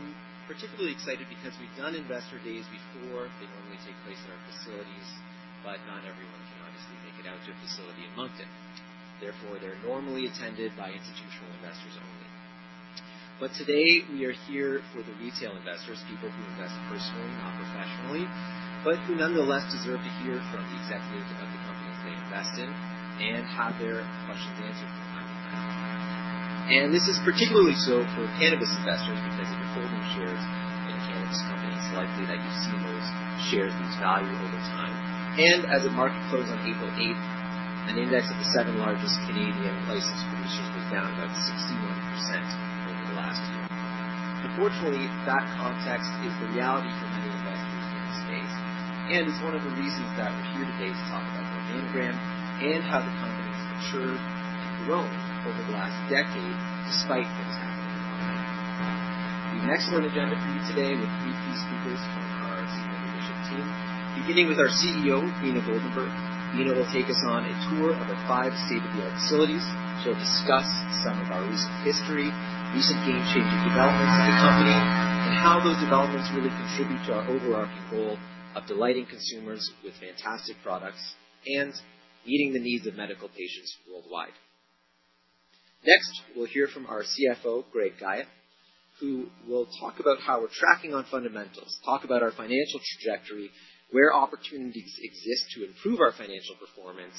I'm particularly excited because we've done investor days before. They normally take place at our facilities, but not everyone can obviously make it out to a facility in Moncton. Therefore, they are normally attended by institutional investors only. Today, we are here for the retail investors, people who invest personally, not professionally, but who nonetheless deserve to hear from the executives of the companies they invest in and have their questions answered from time to time. This is particularly so for cannabis investors because if you're holding shares in cannabis companies, it's likely that you've seen those shares lose value over time. As of market close on April 8th, an index of the seven largest Canadian places for research was down about 61% over the last year. Unfortunately, that context is the reality for many investors in the space and is one of the reasons that we're here today to talk about Organigram and how the company has matured and grown over the last decade despite what's happening in the market. We have an excellent agenda for you today with three key speakers from our senior leadership team, beginning with our CEO, Beena Goldenberg. Beena will take us on a tour of her five state-of-the-art facilities. She'll discuss some of our recent history, recent game-changing developments at the company, and how those developments really contribute to our overarching goal of delighting consumers with fantastic products and meeting the needs of medical patients worldwide. Next, we'll hear from our CFO, Greg Guyatt, who will talk about how we're tracking on fundamentals, talk about our financial trajectory, where opportunities exist to improve our financial performance,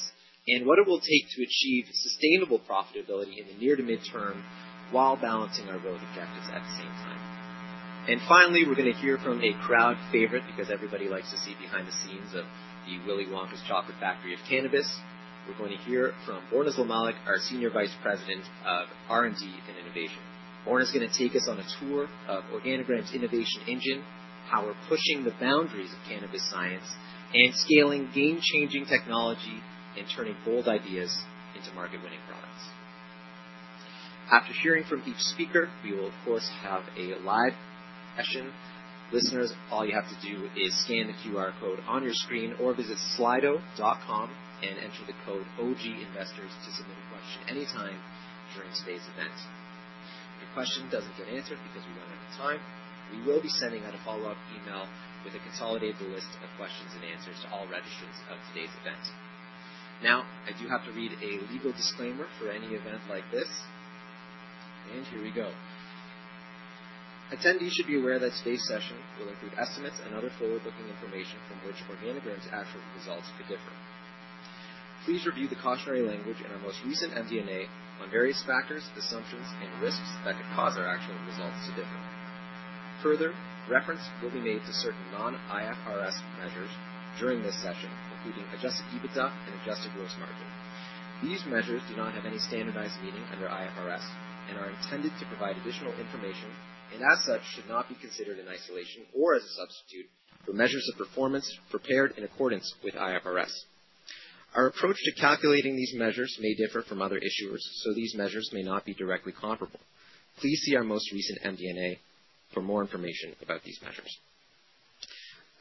and what it will take to achieve sustainable profitability in the near to mid-term while balancing our growth objectives at the same time. Finally, we're going to hear from a crowd favorite because everybody likes to see behind the scenes of the Willy Wonka's chocolate factory of cannabis. We're going to hear from Borna Zlamalik, our Senior Vice President of R&D and Innovation. Borna's going to take us on a tour of Organigram's innovation engine, how we're pushing the boundaries of cannabis science and scaling game-changing technology and turning bold ideas into market-winning products. After hearing from each speaker, we will, of course, have a live session. Listeners, all you have to do is scan the QR code on your screen or visit slido.com and enter the code OGINVESTORS to submit a question anytime during today's event. If your question does not get answered because we run out of time, we will be sending out a follow-up email with a consolidated list of questions and answers to all registrants of today's event. Now, I do have to read a legal disclaimer for any event like this, and here we go. Attendees should be aware that today's session will include estimates and other forward-looking information from which Organigram's actual results could differ. Please review the cautionary language in our most recent MD&A on various factors, assumptions, and risks that could cause our actual results to differ. Further, reference will be made to certain non-IFRS measures during this session, including adjusted EBITDA and adjusted gross margin. These measures do not have any standardized meaning under IFRS and are intended to provide additional information and, as such, should not be considered in isolation or as a substitute for measures of performance prepared in accordance with IFRS. Our approach to calculating these measures may differ from other issuers, so these measures may not be directly comparable. Please see our most recent MD&A for more information about these measures.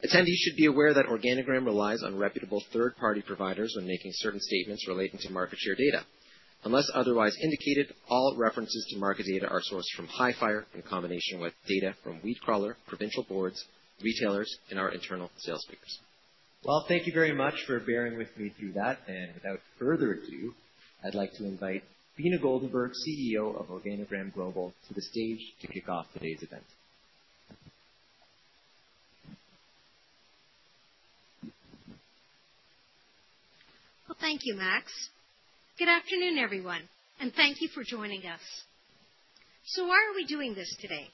Attendees should be aware that Organigram relies on reputable third-party providers when making certain statements relating to market share data. Unless otherwise indicated, all references to market data are sourced from High Fire in combination with data from Weedcrawler, provincial boards, retailers, and our internal sales people. Thank you very much for bearing with me through that. Without further ado, I'd like to invite Beena Goldenberg, CEO of Organigram Global, to the stage to kick off today's event. Thank you, Max. Good afternoon, everyone, and thank you for joining us. Why are we doing this today?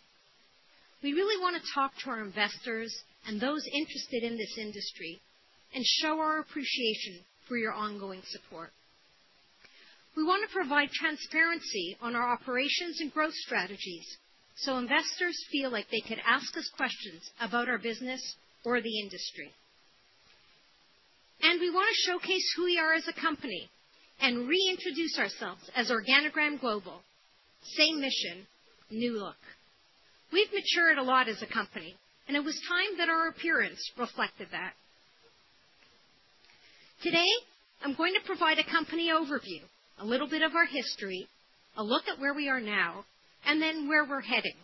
We really want to talk to our investors and those interested in this industry and show our appreciation for your ongoing support. We want to provide transparency on our operations and growth strategies so investors feel like they could ask us questions about our business or the industry. We want to showcase who we are as a company and reintroduce ourselves as Organigram Global, same mission, new look. We have matured a lot as a company, and it was time that our appearance reflected that. Today, I am going to provide a company overview, a little bit of our history, a look at where we are now, and where we are heading.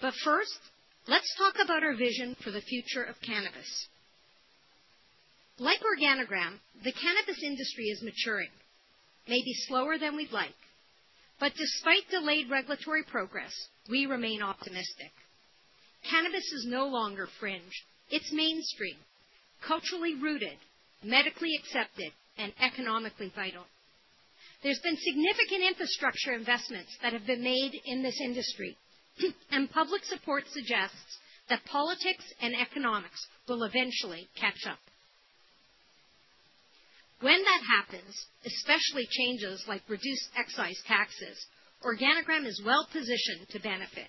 First, let's talk about our vision for the future of cannabis. Like Organigram, the cannabis industry is maturing, maybe slower than we'd like, but despite delayed regulatory progress, we remain optimistic. Cannabis is no longer fringe. It's mainstream, culturally rooted, medically accepted, and economically vital. There's been significant infrastructure investments that have been made in this industry, and public support suggests that politics and economics will eventually catch up. When that happens, especially changes like reduced excise taxes, Organigram is well-positioned to benefit.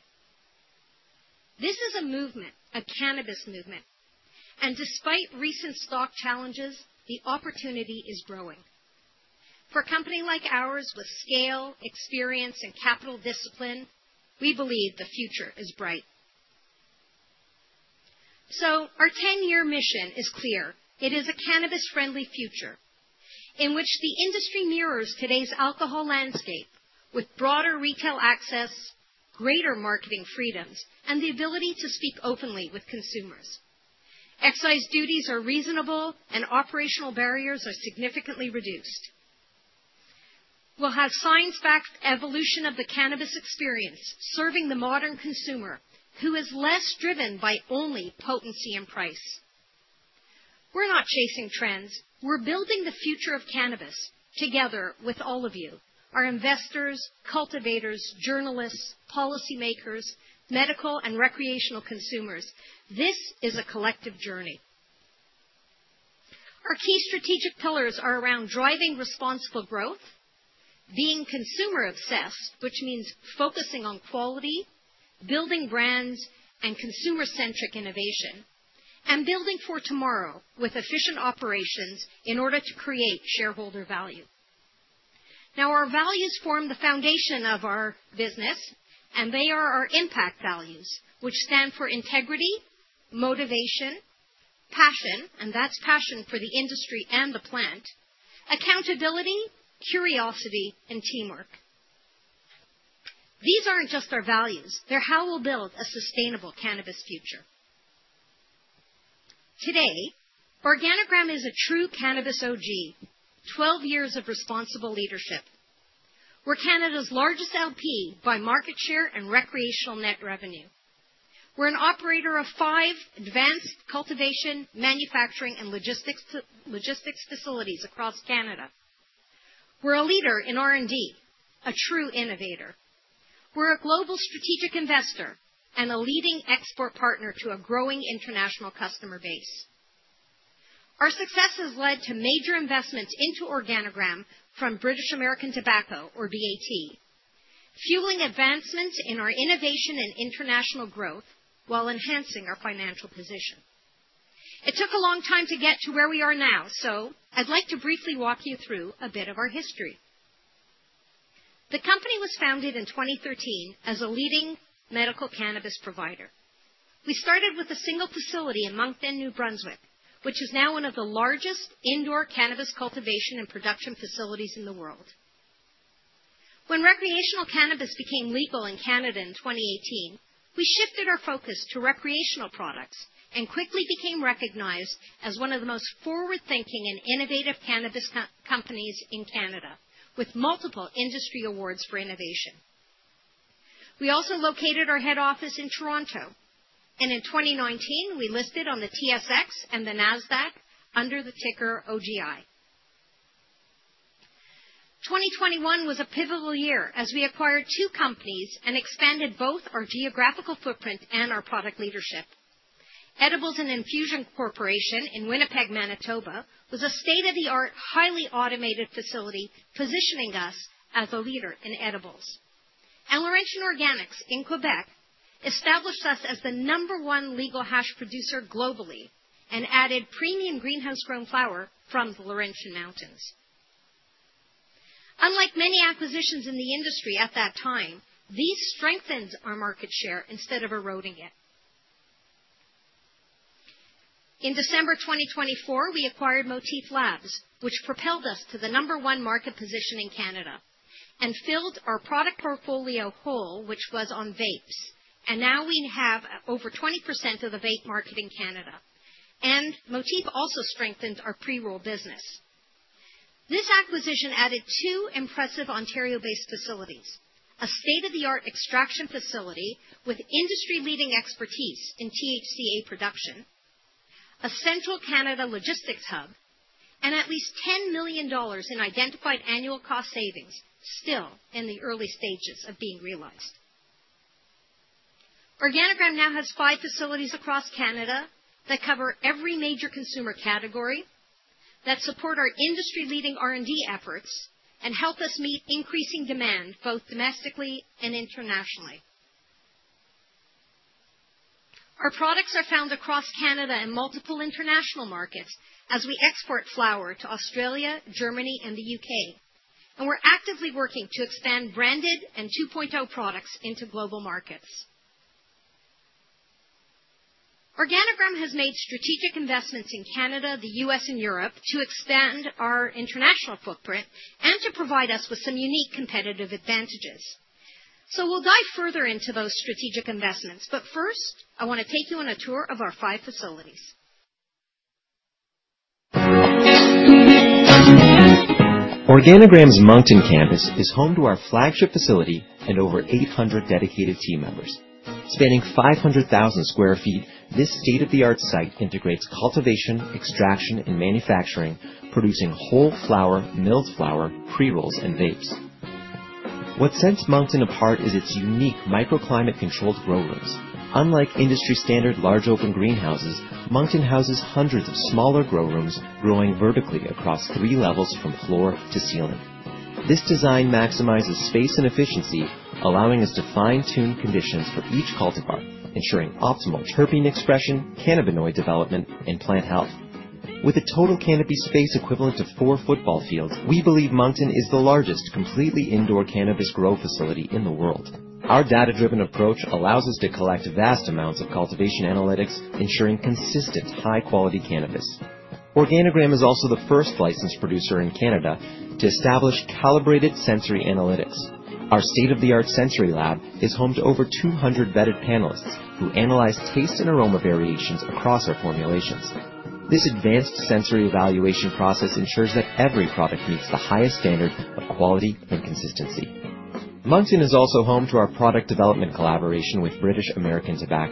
This is a movement, a cannabis movement, and despite recent stock challenges, the opportunity is growing. For a company like ours with scale, experience, and capital discipline, we believe the future is bright. Our 10-year mission is clear. It is a cannabis-friendly future in which the industry mirrors today's alcohol landscape with broader retail access, greater marketing freedoms, and the ability to speak openly with consumers. Excise duties are reasonable, and operational barriers are significantly reduced. We'll have science-backed evolution of the cannabis experience serving the modern consumer who is less driven by only potency and price. We're not chasing trends. We're building the future of cannabis together with all of you, our investors, cultivators, journalists, policymakers, medical and recreational consumers. This is a collective journey. Our key strategic pillars are around driving responsible growth, being consumer-obsessed, which means focusing on quality, building brands, and consumer-centric innovation, and building for tomorrow with efficient operations in order to create shareholder value. Now, our values form the foundation of our business, and they are our impact values, which stand for integrity, motivation, passion, and that's passion for the industry and the plant, accountability, curiosity, and teamwork. These aren't just our values. They're how we'll build a sustainable cannabis future. Today, Organigram is a true cannabis OG, 12 years of responsible leadership. We're Canada's largest LP by market share and recreational net revenue. We're an operator of five advanced cultivation, manufacturing, and logistics facilities across Canada. We're a leader in R&D, a true innovator. We're a global strategic investor and a leading export partner to a growing international customer base. Our success has led to major investments into Organigram from BAT, fueling advancement in our innovation and international growth while enhancing our financial position. It took a long time to get to where we are now, so I'd like to briefly walk you through a bit of our history. The company was founded in 2013 as a leading medical cannabis provider. We started with a single facility in Moncton, New Brunswick, which is now one of the largest indoor cannabis cultivation and production facilities in the world. When recreational cannabis became legal in Canada in 2018, we shifted our focus to recreational products and quickly became recognized as one of the most forward-thinking and innovative cannabis companies in Canada, with multiple industry awards for innovation. We also located our head office in Toronto, and in 2019, we listed on the TSX and the NASDAQ under the ticker OGI. 2021 was a pivotal year as we acquired two companies and expanded both our geographical footprint and our product leadership. Edibles & Infusion Corporation in Winnipeg, Manitoba, was a state-of-the-art, highly automated facility positioning us as a leader in edibles. Laurentian Organics in Quebec established us as the number one legal hash producer globally and added premium greenhouse-grown flower from the Laurentian Mountains. Unlike many acquisitions in the industry at that time, these strengthened our market share instead of eroding it. In December 2024, we acquired Motif Labs, which propelled us to the number one market position in Canada and filled our product portfolio hole, which was on vapes. Now we have over 20% of the vape market in Canada. Motif also strengthened our pre-roll business. This acquisition added two impressive Ontario based facilities, a state-of-the-art extraction facility with industry-leading expertise in THCA production, a central Canada logistics hub, and at least CAD $10 million in identified annual cost savings still in the early stages of being realized. Organigram now has five facilities across Canada that cover every major consumer category, that support our industry leading R&D efforts, and help us meet increasing demand both domestically and internationally. Our products are found across Canada and multiple international markets as we export flower to Australia, Germany, and the U.K., and we are actively working to expand branded and 2.0 products into global markets. Organigram has made strategic investments in Canada, the U.S., and Europe to expand our international footprint and to provide us with some unique competitive advantages. We will dive further into those strategic investments, but first, I want to take you on a tour of our five facilities. Organigram's Moncton campus is home to our flagship facility and over 800 dedicated team members. Spanning 500,000 sq ft, this state-of-the-art site integrates cultivation, extraction, and manufacturing, producing whole flower, milled flower, pre-rolls, and vapes. What sets Moncton apart is its unique microclimate-controlled grow rooms. Unlike industry-standard large open greenhouses, Moncton houses hundreds of smaller grow rooms growing vertically across three levels from floor to ceiling. This design maximizes space and efficiency, allowing us to fine-tune conditions for each cultivar, ensuring optimal terpene expression, cannabinoid development, and plant health. With a total canopy space equivalent to four football fields, we believe Moncton is the largest completely indoor cannabis grow facility in the world. Our data-driven approach allows us to collect vast amounts of cultivation analytics, ensuring consistent, high-quality cannabis. Organigram is also the first licensed producer in Canada to establish calibrated sensory analytics. Our state-of-the-art sensory lab is home to over 200 vetted panelists who analyze taste and aroma variations across our formulations. This advanced sensory evaluation process ensures that every product meets the highest standard of quality and consistency. Moncton is also home to our product development collaboration with BAT.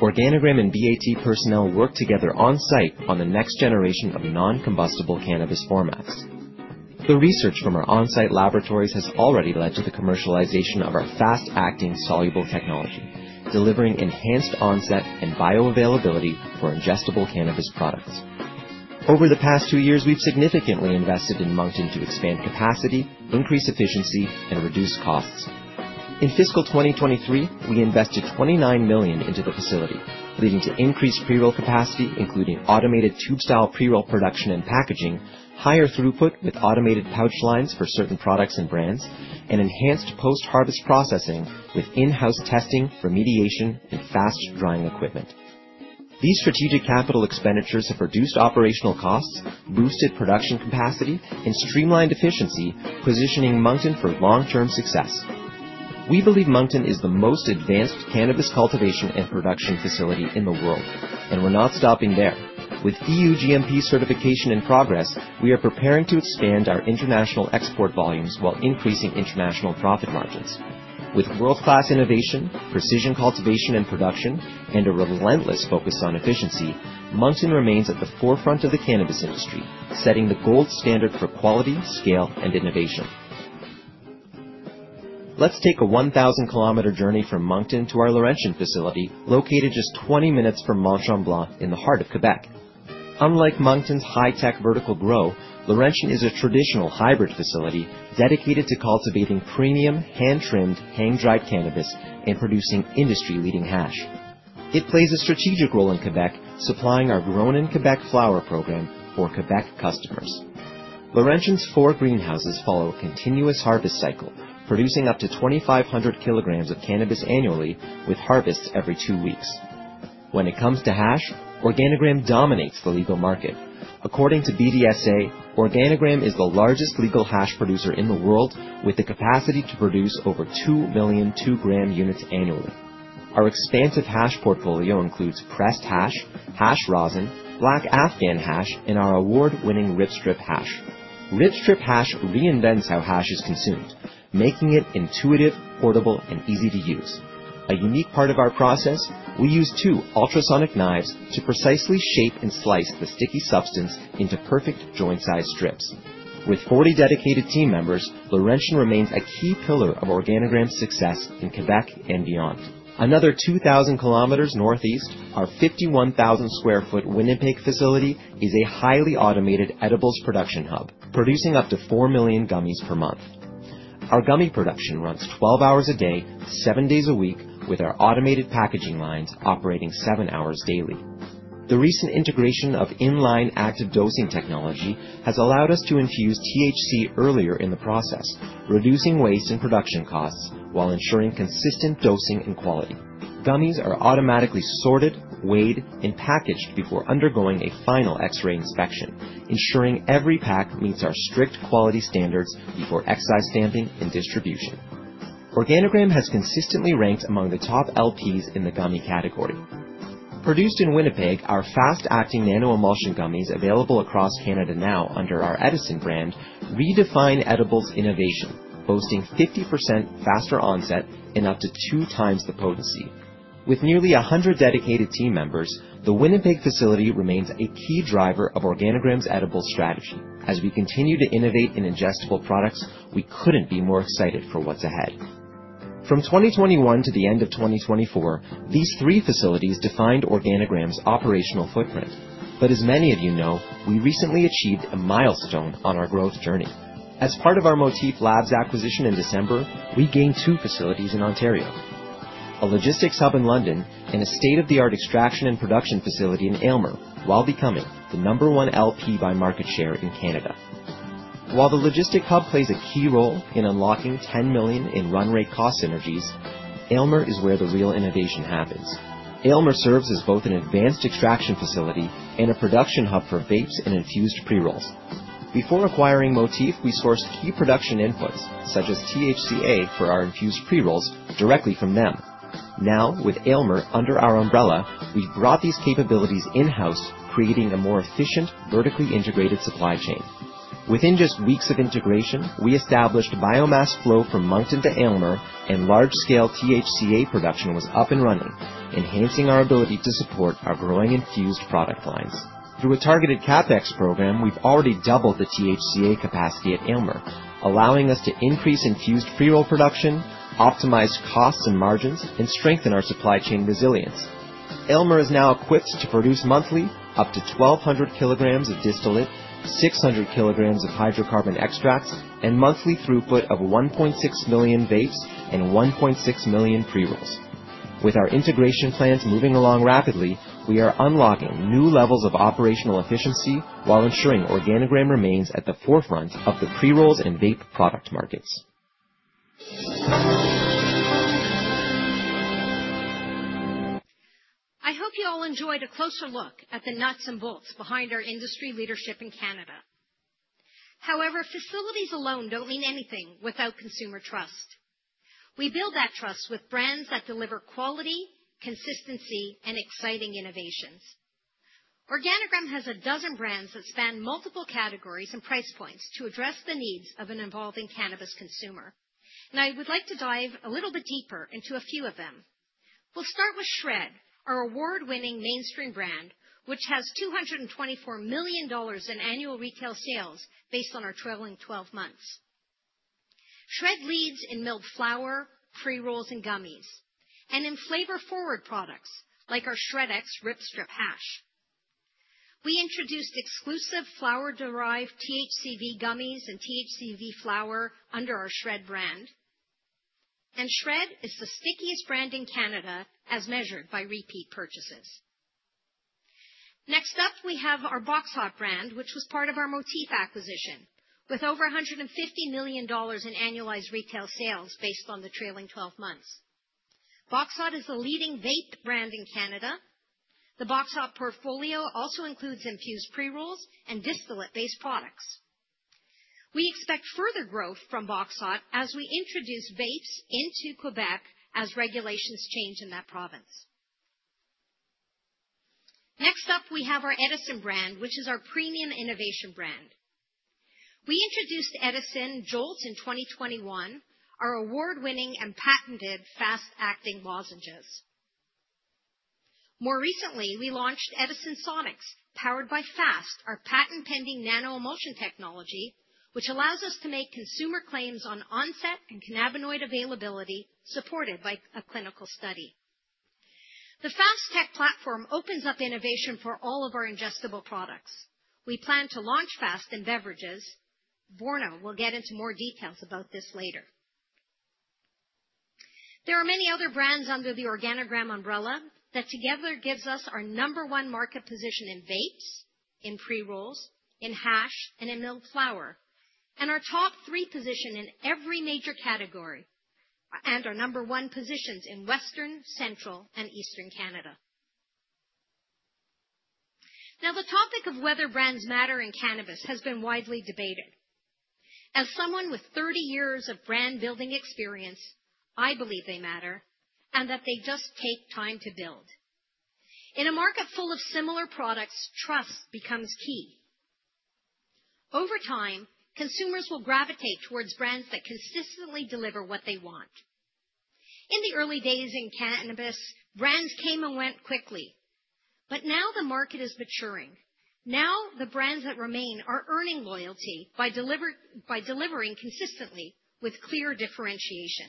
Organigram and BAT personnel work together on-site on the next generation of non-combustible cannabis formats. The research from our on-site laboratories has already led to the commercialization of our fast-acting soluble technology, delivering enhanced onset and bioavailability for ingestible cannabis products. Over the past two years, we've significantly invested in Moncton to expand capacity, increase efficiency, and reduce costs. In fiscal 2023, we invested 29 million into the facility, leading to increased pre-roll capacity, including automated tube-style pre-roll production and packaging, higher throughput with automated pouch lines for certain products and brands, and enhanced post-harvest processing with in-house testing, remediation, and fast-drying equipment. These strategic capital expenditures have reduced operational costs, boosted production capacity, and streamlined efficiency, positioning Moncton for long-term success. We believe Moncton is the most advanced cannabis cultivation and production facility in the world, and we're not stopping there. With EU GMP certification in progress, we are preparing to expand our international export volumes while increasing international profit margins. With world-class innovation, precision cultivation and production, and a relentless focus on efficiency, Moncton remains at the forefront of the cannabis industry, setting the gold standard for quality, scale, and innovation. Let's take a 1,000-km journey from Moncton to our Laurentian facility, located just 20 minutes from Mont-Tremblant in the heart of Quebec. Unlike Moncton's high-tech vertical grow, Laurentian is a traditional hybrid facility dedicated to cultivating premium hand-trimmed, hand-dried cannabis and producing industry-leading hash. It plays a strategic role in Quebec, supplying our Grown in Quebec flower program for Quebec customers. Laurentian's four greenhouses follow a continuous harvest cycle, producing up to 2,500 kg of cannabis annually with harvests every two weeks. When it comes to hash, Organigram dominates the legal market. According to BDSA, Organigram is the largest legal hash producer in the world with the capacity to produce over 2 million 2-gram units annually. Our expansive hash portfolio includes pressed hash, hash rosin, black Afghan hash, and our award-winning Ripstrip Hash. Ripstrip Hash reinvents how hash is consumed, making it intuitive, portable, and easy to use. A unique part of our process, we use two ultrasonic knives to precisely shape and slice the sticky substance into perfect joint-sized strips. With 40 dedicated team members, Laurentian remains a key pillar of Organigram's success in Quebec and beyond. Another 2,000 km northeast, our 51,000 sq ft Winnipeg facility is a highly automated edibles production hub, producing up to 4 million gummies per month. Our gummy production runs 12 hours a day, 7 days a week, with our automated packaging lines operating 7 hours daily. The recent integration of inline active dosing technology has allowed us to infuse THC earlier in the process, reducing waste and production costs while ensuring consistent dosing and quality. Gummies are automatically sorted, weighed, and packaged before undergoing a final X-ray inspection, ensuring every pack meets our strict quality standards before excise stamping and distribution. Organigram has consistently ranked among the top LPs in the gummy category. Produced in Winnipeg, our fast-acting nano-emulsion gummies, available across Canada now under our Edison brand, redefine edibles innovation, boasting 50% faster onset and up to two times the potency. With nearly 100 dedicated team members, the Winnipeg facility remains a key driver of Organigram's edible strategy. As we continue to innovate in ingestible products, we couldn't be more excited for what's ahead. From 2021 to the end of 2024, these three facilities defined Organigram's operational footprint. As many of you know, we recently achieved a milestone on our growth journey. As part of our Motif Labs acquisition in December, we gained two facilities in Ontario a logistics hub in London and a state-of-the-art extraction and production facility in Aylmer, while becoming the number one LP by market share in Canada. While the logistics hub plays a key role in unlocking 10 million in run rate cost synergies, Aylmer is where the real innovation happens. Aylmer serves as both an advanced extraction facility and a production hub for vapes and infused pre-rolls. Before acquiring Motif, we sourced key production inputs, such as THCA, for our infused pre-rolls directly from them. Now, with Aylmer under our umbrella, we've brought these capabilities in-house, creating a more efficient, vertically integrated supply chain. Within just weeks of integration, we established biomass flow from Moncton to Aylmer, and large-scale THCA production was up and running, enhancing our ability to support our growing infused product lines. Through a targeted CapEx program, we've already doubled the THCA capacity at Aylmer, allowing us to increase infused pre-roll production, optimize costs and margins, and strengthen our supply chain resilience. Aylmer is now equipped to produce monthly up to 1,200 kg of distillate, 600 kg of hydrocarbon extracts, and monthly throughput of 1.6 million vapes and 1.6 million pre-rolls. With our integration plans moving along rapidly, we are unlocking new levels of operational efficiency while ensuring Organigram remains at the forefront of the pre-rolls and vape product markets. I hope you all enjoyed a closer look at the nuts and bolts behind our industry leadership in Canada. However, facilities alone do not mean anything without consumer trust. We build that trust with brands that deliver quality, consistency, and exciting innovations. Organigram has a dozen brands that span multiple categories and price points to address the needs of an evolving cannabis consumer. I would like to dive a little bit deeper into a few of them. We'll start with Shred, our award-winning mainstream brand, which has $224 million in annual retail sales based on our trailing 12 months. Shred leads in milled flower, pre-rolls, and gummies, and in flavor-forward products like our Shred X Ripstrip Hash. We introduced exclusive flower-derived THCV gummies and THCV flower under our Shred brand, and Shred is the stickiest brand in Canada as measured by repeat purchases. Next up, we have our Boxhot brand, which was part of our Motif acquisition, with over $150 million in annualized retail sales based on the trailing 12 months. Boxhot is the leading vape brand in Canada. The Boxhot portfolio also includes infused pre-rolls and distillate-based products. We expect further growth from Boxhot as we introduce vapes into Quebec as regulations change in that province. Next up, we have our Edison brand, which is our premium innovation brand. We introduced Edison Jolt in 2021, our award-winning and patented fast-acting lozenges. More recently, we launched Edison Sonics, powered by FAST, our patent-pending nano-emulsion technology, which allows us to make consumer claims on onset and cannabinoid availability supported by a clinical study. The FAST tech platform opens up innovation for all of our ingestible products. We plan to launch FAST in beverages. Borna will get into more details about this later. There are many other brands under the Organigram umbrella that together give us our number one market position in vapes, in pre-rolls, in hash, and in milled flower, and our top three position in every major category and our number one positions in Western, Central, and Eastern Canada. Now, the topic of whether brands matter in cannabis has been widely debated. As someone with 30 years of brand-building experience, I believe they matter and that they just take time to build. In a market full of similar products, trust becomes key. Over time, consumers will gravitate towards brands that consistently deliver what they want. In the early days in cannabis, brands came and went quickly, but now the market is maturing. Now, the brands that remain are earning loyalty by delivering consistently with clear differentiation.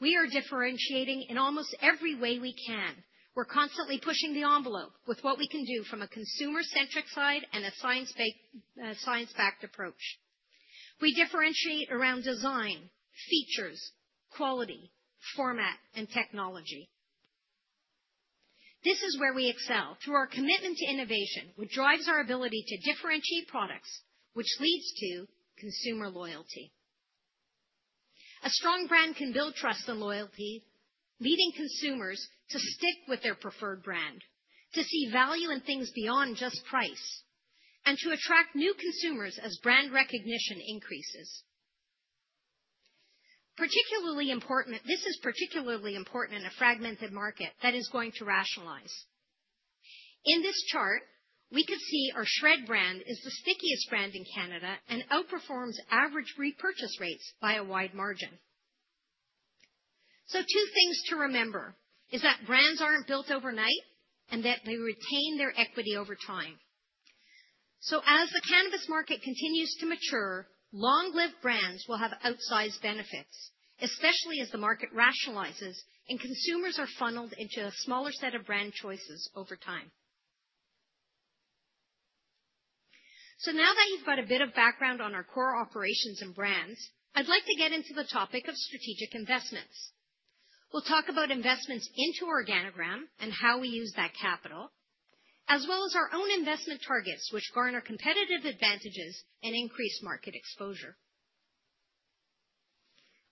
We are differentiating in almost every way we can. We're constantly pushing the envelope with what we can do from a consumer-centric side and a science-backed approach. We differentiate around design, features, quality, format, and technology. This is where we excel through our commitment to innovation, which drives our ability to differentiate products, which leads to consumer loyalty. A strong brand can build trust and loyalty, leading consumers to stick with their preferred brand, to see value in things beyond just price, and to attract new consumers as brand recognition increases. This is particularly important in a fragmented market that is going to rationalize. In this chart, we could see our Shred brand is the stickiest brand in Canada and outperforms average repurchase rates by a wide margin. Two things to remember are that brands aren't built overnight and that they retain their equity over time. As the cannabis market continues to mature, long-lived brands will have outsized benefits, especially as the market rationalizes and consumers are funneled into a smaller set of brand choices over time. Now that you've got a bit of background on our core operations and brands, I'd like to get into the topic of strategic investments. We'll talk about investments into Organigram and how we use that capital, as well as our own investment targets, which garner competitive advantages and increase market exposure.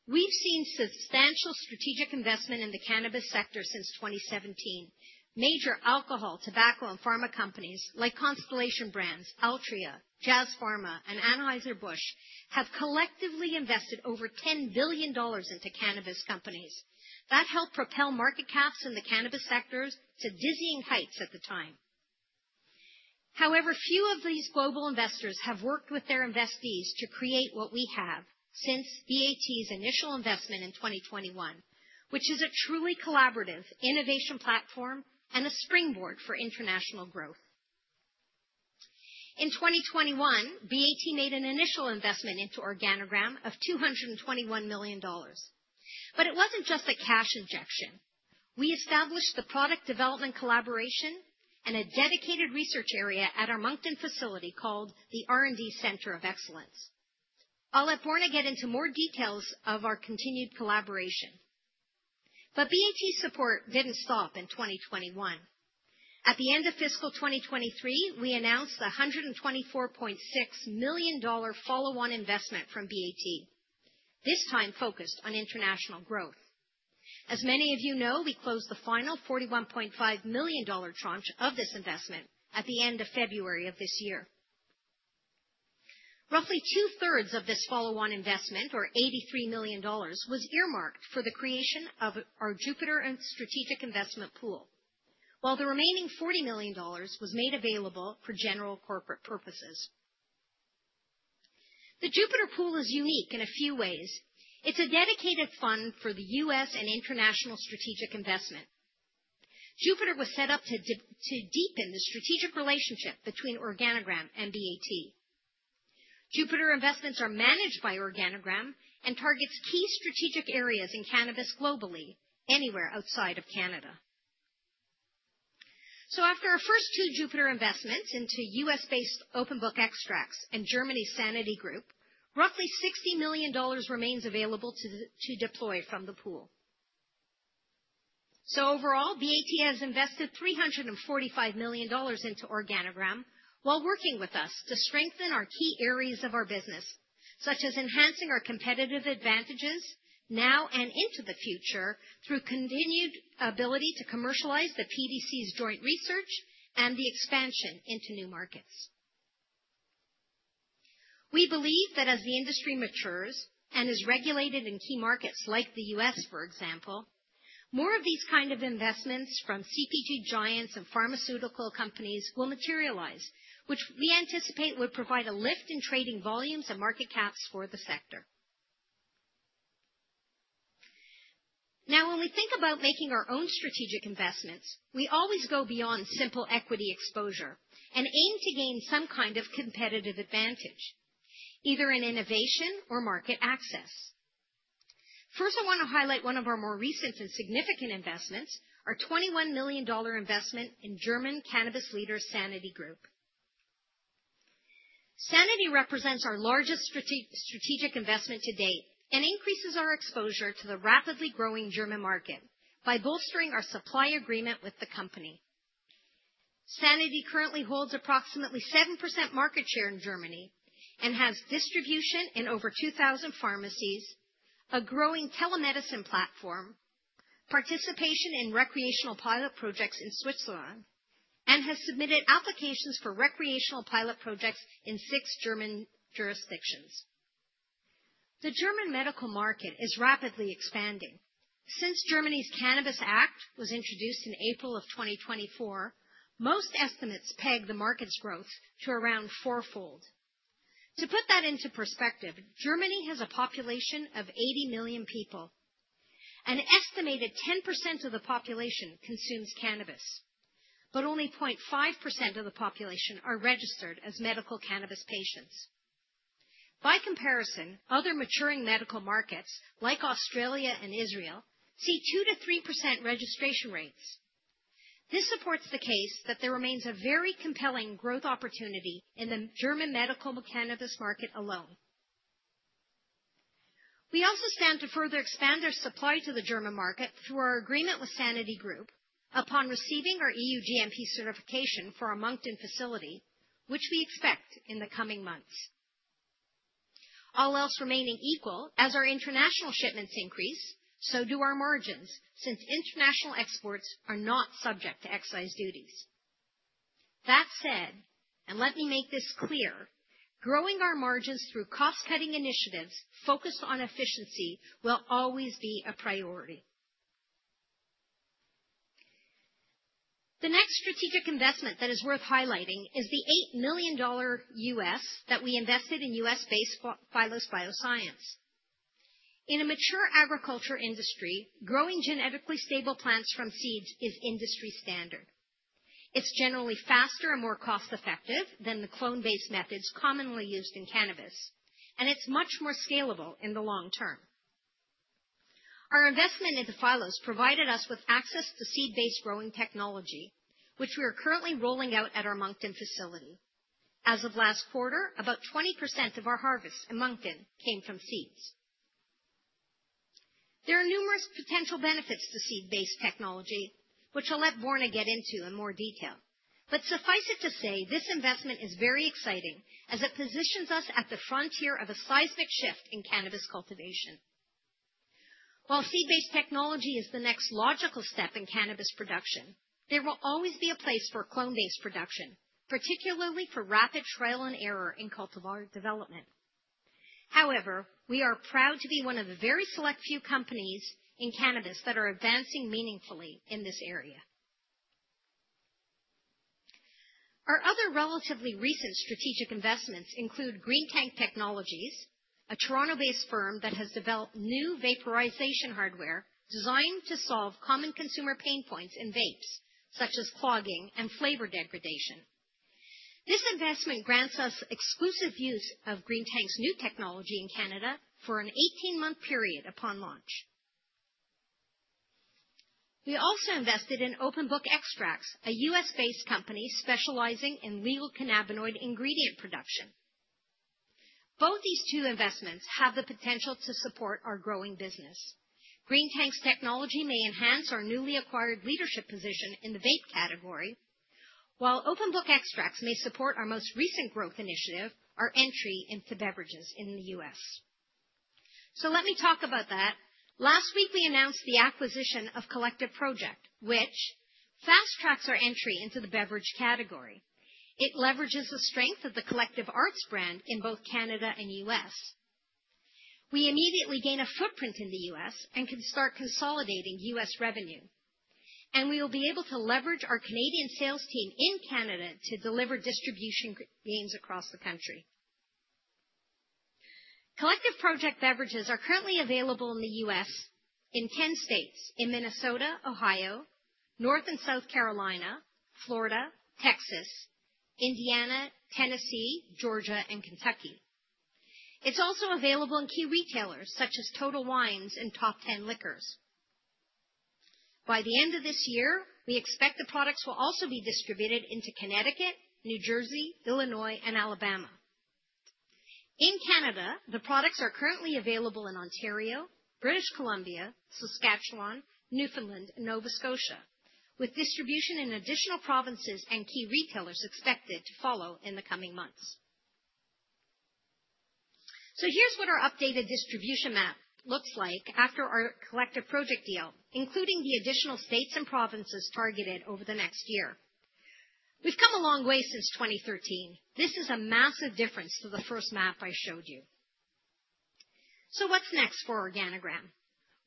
We've seen substantial strategic investment in the cannabis sector since 2017. Major alcohol, tobacco, and pharma companies like Constellation Brands, Altria, Jazz Pharma, and Anheuser-Busch have collectively invested over $10 billion into cannabis companies. That helped propel market caps in the cannabis sector to dizzying heights at the time. However, few of these global investors have worked with their investees to create what we have since BAT's initial investment in 2021, which is a truly collaborative innovation platform and a springboard for international growth. In 2021, BAT made an initial investment into Organigram of $221 million. It was not just a cash injection. We established the product development collaboration and a dedicated research area at our Moncton facility called the R&D Center of Excellence. I will let Borna get into more details of our continued collaboration. BAT's support did not stop in 2021. At the end of fiscal 2023, we announced the $124.6 million follow-on investment from BAT, this time focused on international growth. As many of you know, we closed the final $41.5 million tranche of this investment at the end of February of this year. Roughly two-thirds of this follow-on investment, or $83 million, was earmarked for the creation of our Jupiter and strategic investment pool, while the remaining $40 million was made available for general corporate purposes. The Jupiter pool is unique in a few ways. It's a dedicated fund for the U.S. and international strategic investment. Jupiter was set up to deepen the strategic relationship between Organigram and BAT. Jupiter investments are managed by Organigram and targets key strategic areas in cannabis globally, anywhere outside of Canada. After our first two Jupiter investments into U.S.-based Open Book Extracts and Germany's Sanity Group, roughly $60 million remains available to deploy from the pool. Overall, BAT has invested $345 million into Organigram while working with us to strengthen our key areas of our business, such as enhancing our competitive advantages now and into the future through continued ability to commercialize the PDC's joint research and the expansion into new markets. We believe that as the industry matures and is regulated in key markets like the U.S., for example, more of these kinds of investments from CPG giants and pharmaceutical companies will materialize, which we anticipate would provide a lift in trading volumes and market caps for the sector. Now, when we think about making our own strategic investments, we always go beyond simple equity exposure and aim to gain some kind of competitive advantage, either in innovation or market access. First, I want to highlight one of our more recent and significant investments, our $21 million investment in German cannabis leader Sanity Group. Sanity represents our largest strategic investment to date and increases our exposure to the rapidly growing German market by bolstering our supply agreement with the company. Sanity currently holds approximately 7% market share in Germany and has distribution in over 2,000 pharmacies, a growing telemedicine platform, participation in recreational pilot projects in Switzerland, and has submitted applications for recreational pilot projects in six German jurisdictions. The German medical market is rapidly expanding. Since Germany's Cannabis Act was introduced in April of 2024, most estimates peg the market's growth to around fourfold. To put that into perspective, Germany has a population of 80 million people. An estimated 10% of the population consumes cannabis, but only 0.5% of the population are registered as medical cannabis patients. By comparison, other maturing medical markets like Australia and Israel see 2%-3% registration rates. This supports the case that there remains a very compelling growth opportunity in the German medical cannabis market alone. We also stand to further expand our supply to the German market through our agreement with Sanity Group upon receiving our EU GMP certification for our Moncton facility, which we expect in the coming months. All else remaining equal, as our international shipments increase, so do our margins since international exports are not subject to excise duties. That said, and let me make this clear, growing our margins through cost-cutting initiatives focused on efficiency will always be a priority. The next strategic investment that is worth highlighting is the $8 million U.S. that we invested in U.S. based Phylos Bioscience. In a mature agriculture industry, growing genetically stable plants from seeds is industry standard. It's generally faster and more cost-effective than the clone-based methods commonly used in cannabis, and it's much more scalable in the long term. Our investment into Phylos provided us with access to seed-based growing technology, which we are currently rolling out at our Moncton facility. As of last quarter, about 20% of our harvest in Moncton came from seeds. There are numerous potential benefits to seed based technology, which I'll let Borna get into in more detail. Suffice it to say, this investment is very exciting as it positions us at the frontier of a seismic shift in cannabis cultivation. While seed based technology is the next logical step in cannabis production, there will always be a place for clone based production, particularly for rapid trial and error in cultivar development. However, we are proud to be one of the very select few companies in cannabis that are advancing meaningfully in this area. Our other relatively recent strategic investments include Green Tank Technologies, a Toronto-based firm that has developed new vaporization hardware designed to solve common consumer pain points in vapes, such as clogging and flavor degradation. This investment grants us exclusive use of Green Tank's new technology in Canada for an 18-month period upon launch. We also invested in Open Book Extracts, a U.S.-based company specializing in legal cannabinoid ingredient production. Both these two investments have the potential to support our growing business. Green Tank's technology may enhance our newly acquired leadership position in the vape category, while Open Book Extracts may support our most recent growth initiative, our entry into beverages in the U.S. Let me talk about that. Last week, we announced the acquisition of Collective Project, which fast-tracks our entry into the beverage category. It leverages the strength of the Collective Arts brand in both Canada and the U.S. We immediately gain a footprint in the U.S. and can start consolidating U.S. revenue, and we will be able to leverage our Canadian sales team in Canada to deliver distribution gains across the country. Collective Project beverages are currently available in the U.S. in 10 states: in Minnesota, Ohio, North and South Carolina, Florida, Texas, Indiana, Tennessee, Georgia, and Kentucky. It is also available in key retailers such as Total Wines and Top 10 Liquors. By the end of this year, we expect the products will also be distributed into Connecticut, New Jersey, Illinois, and Alabama. In Canada, the products are currently available in Ontario, British Columbia, Saskatchewan, Newfoundland, and Nova Scotia, with distribution in additional provinces and key retailers expected to follow in the coming months. Here is what our updated distribution map looks like after our Collective Project deal, including the additional states and provinces targeted over the next year. We have come a long way since 2013. This is a massive difference to the first map I showed you. What is next for Organigram?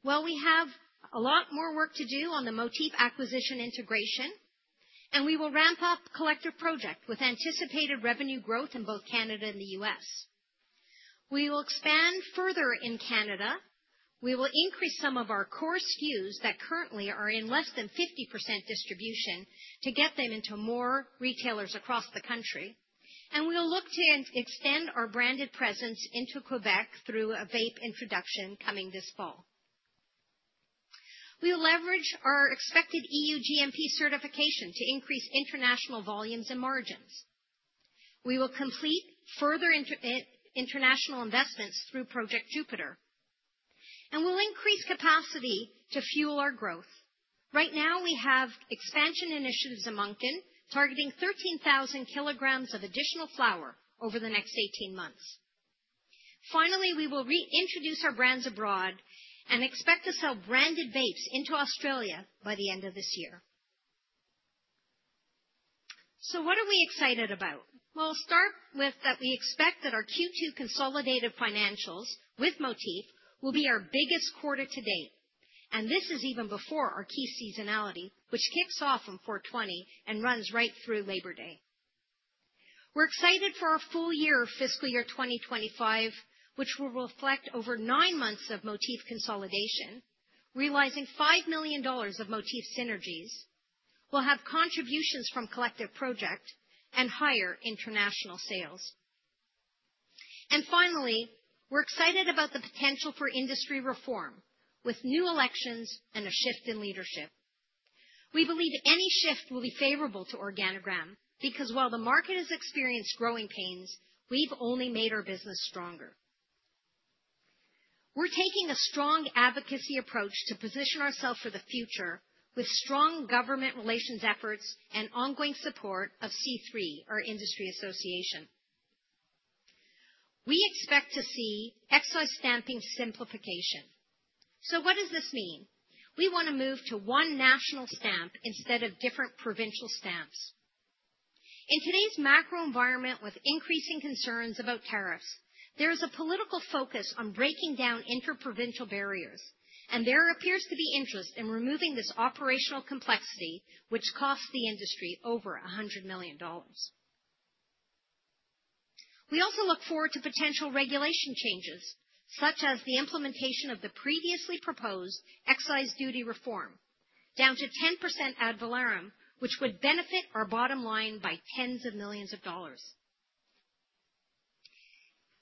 We have a lot more work to do on the Motif acquisition integration, and we will ramp up Collective Project with anticipated revenue growth in both Canada and the U.S. We will expand further in Canada. We will increase some of our core SKUs that currently are in less than 50% distribution to get them into more retailers across the country, and we will look to extend our branded presence into Quebec through a vape introduction coming this fall. We will leverage our expected EU GMP certification to increase international volumes and margins. We will complete further international investments through Project Jupiter, and we will increase capacity to fuel our growth. Right now, we have expansion initiatives in Moncton targeting 13,000 kilograms of additional flower over the next 18 months. Finally, we will reintroduce our brands abroad and expect to sell branded vapes into Australia by the end of this year. What are we excited about? We expect that our Q2 consolidated financials with Motif will be our biggest quarter to date, and this is even before our key seasonality, which kicks off on 4/20 and runs right through Labor Day. We're excited for our full year of fiscal year 2025, which will reflect over nine months of Motif consolidation, realizing 5 million dollars of Motif synergies. We'll have contributions from Collective Project and higher international sales. Finally, we're excited about the potential for industry reform with new elections and a shift in leadership. We believe any shift will be favorable to Organigram because while the market has experienced growing pains, we've only made our business stronger. We're taking a strong advocacy approach to position ourselves for the future with strong government relations efforts and ongoing support of C3, our industry association. We expect to see excise stamping simplification. What does this mean? We want to move to one national stamp instead of different provincial stamps. In today's macro environment with increasing concerns about tariffs, there is a political focus on breaking down interprovincial barriers, and there appears to be interest in removing this operational complexity, which costs the industry over CAD $100 million. We also look forward to potential regulation changes, such as the implementation of the previously proposed excise duty reform down to 10% ad valorem, which would benefit our bottom line by tens of millions of dollars.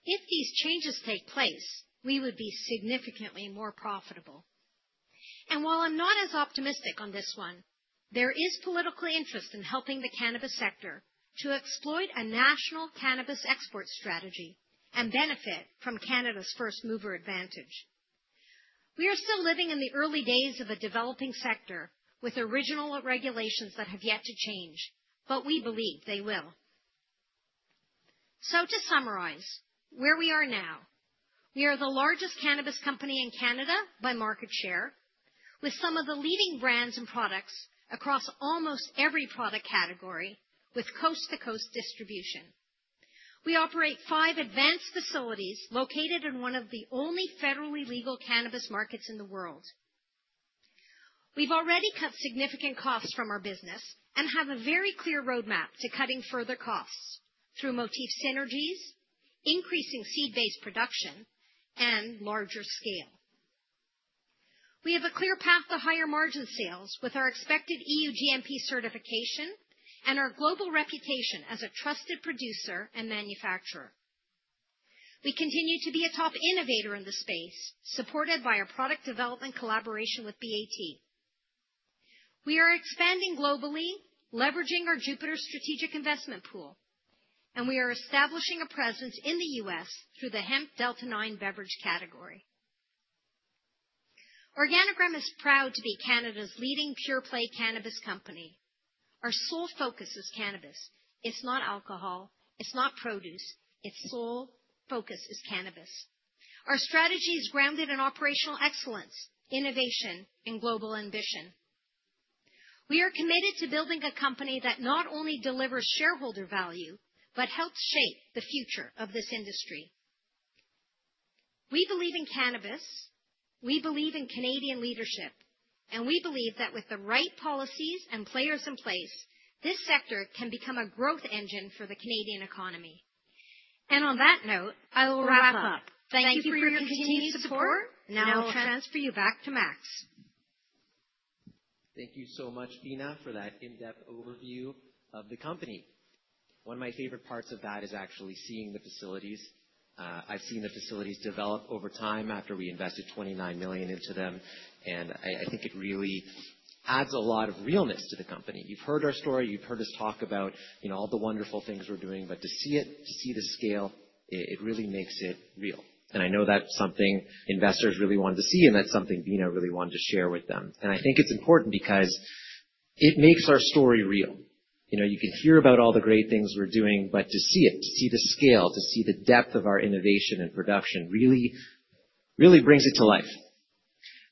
If these changes take place, we would be significantly more profitable. While I'm not as optimistic on this one, there is political interest in helping the cannabis sector to exploit a national cannabis export strategy and benefit from Canada's first mover advantage. We are still living in the early days of a developing sector with original regulations that have yet to change, but we believe they will. To summarize where we are now, we are the largest cannabis company in Canada by market share, with some of the leading brands and products across almost every product category, with coast-to-coast distribution. We operate five advanced facilities located in one of the only federally legal cannabis markets in the world. We've already cut significant costs from our business and have a very clear roadmap to cutting further costs through Motif synergies, increasing seed-based production, and larger scale. We have a clear path to higher margin sales with our expected EU GMP certification and our global reputation as a trusted producer and manufacturer. We continue to be a top innovator in the space, supported by our product development collaboration with BAT. We are expanding globally, leveraging our Jupiter strategic investment pool, and we are establishing a presence in the U.S. through the Hemp Delta 9 beverage category. Organigram is proud to be Canada's leading pure-play cannabis company. Our sole focus is cannabis. It's not alcohol. It's not produce. Its sole focus is cannabis. Our strategy is grounded in operational excellence, innovation, and global ambition. We are committed to building a company that not only delivers shareholder value, but helps shape the future of this industry. We believe in cannabis. We believe in Canadian leadership, and we believe that with the right policies and players in place, this sector can become a growth engine for the Canadian economy. On that note, I will wrap up. Thank you for your continued support. Now I'll transfer you back to Max. Thank you so much, Beena, for that in-depth overview of the company. One of my favorite parts of that is actually seeing the facilities. I've seen the facilities develop over time after we invested 29 million into them, and I think it really adds a lot of realness to the company. You've heard our story. You've heard us talk about, you know, all the wonderful things we're doing, but to see it, to see the scale, it really makes it real. I know that's something investors really wanted to see, and that's something Beena really wanted to share with them. I think it's important because it makes our story real. You know, you can hear about all the great things we're doing, but to see it, to see the scale, to see the depth of our innovation and production really, really brings it to life.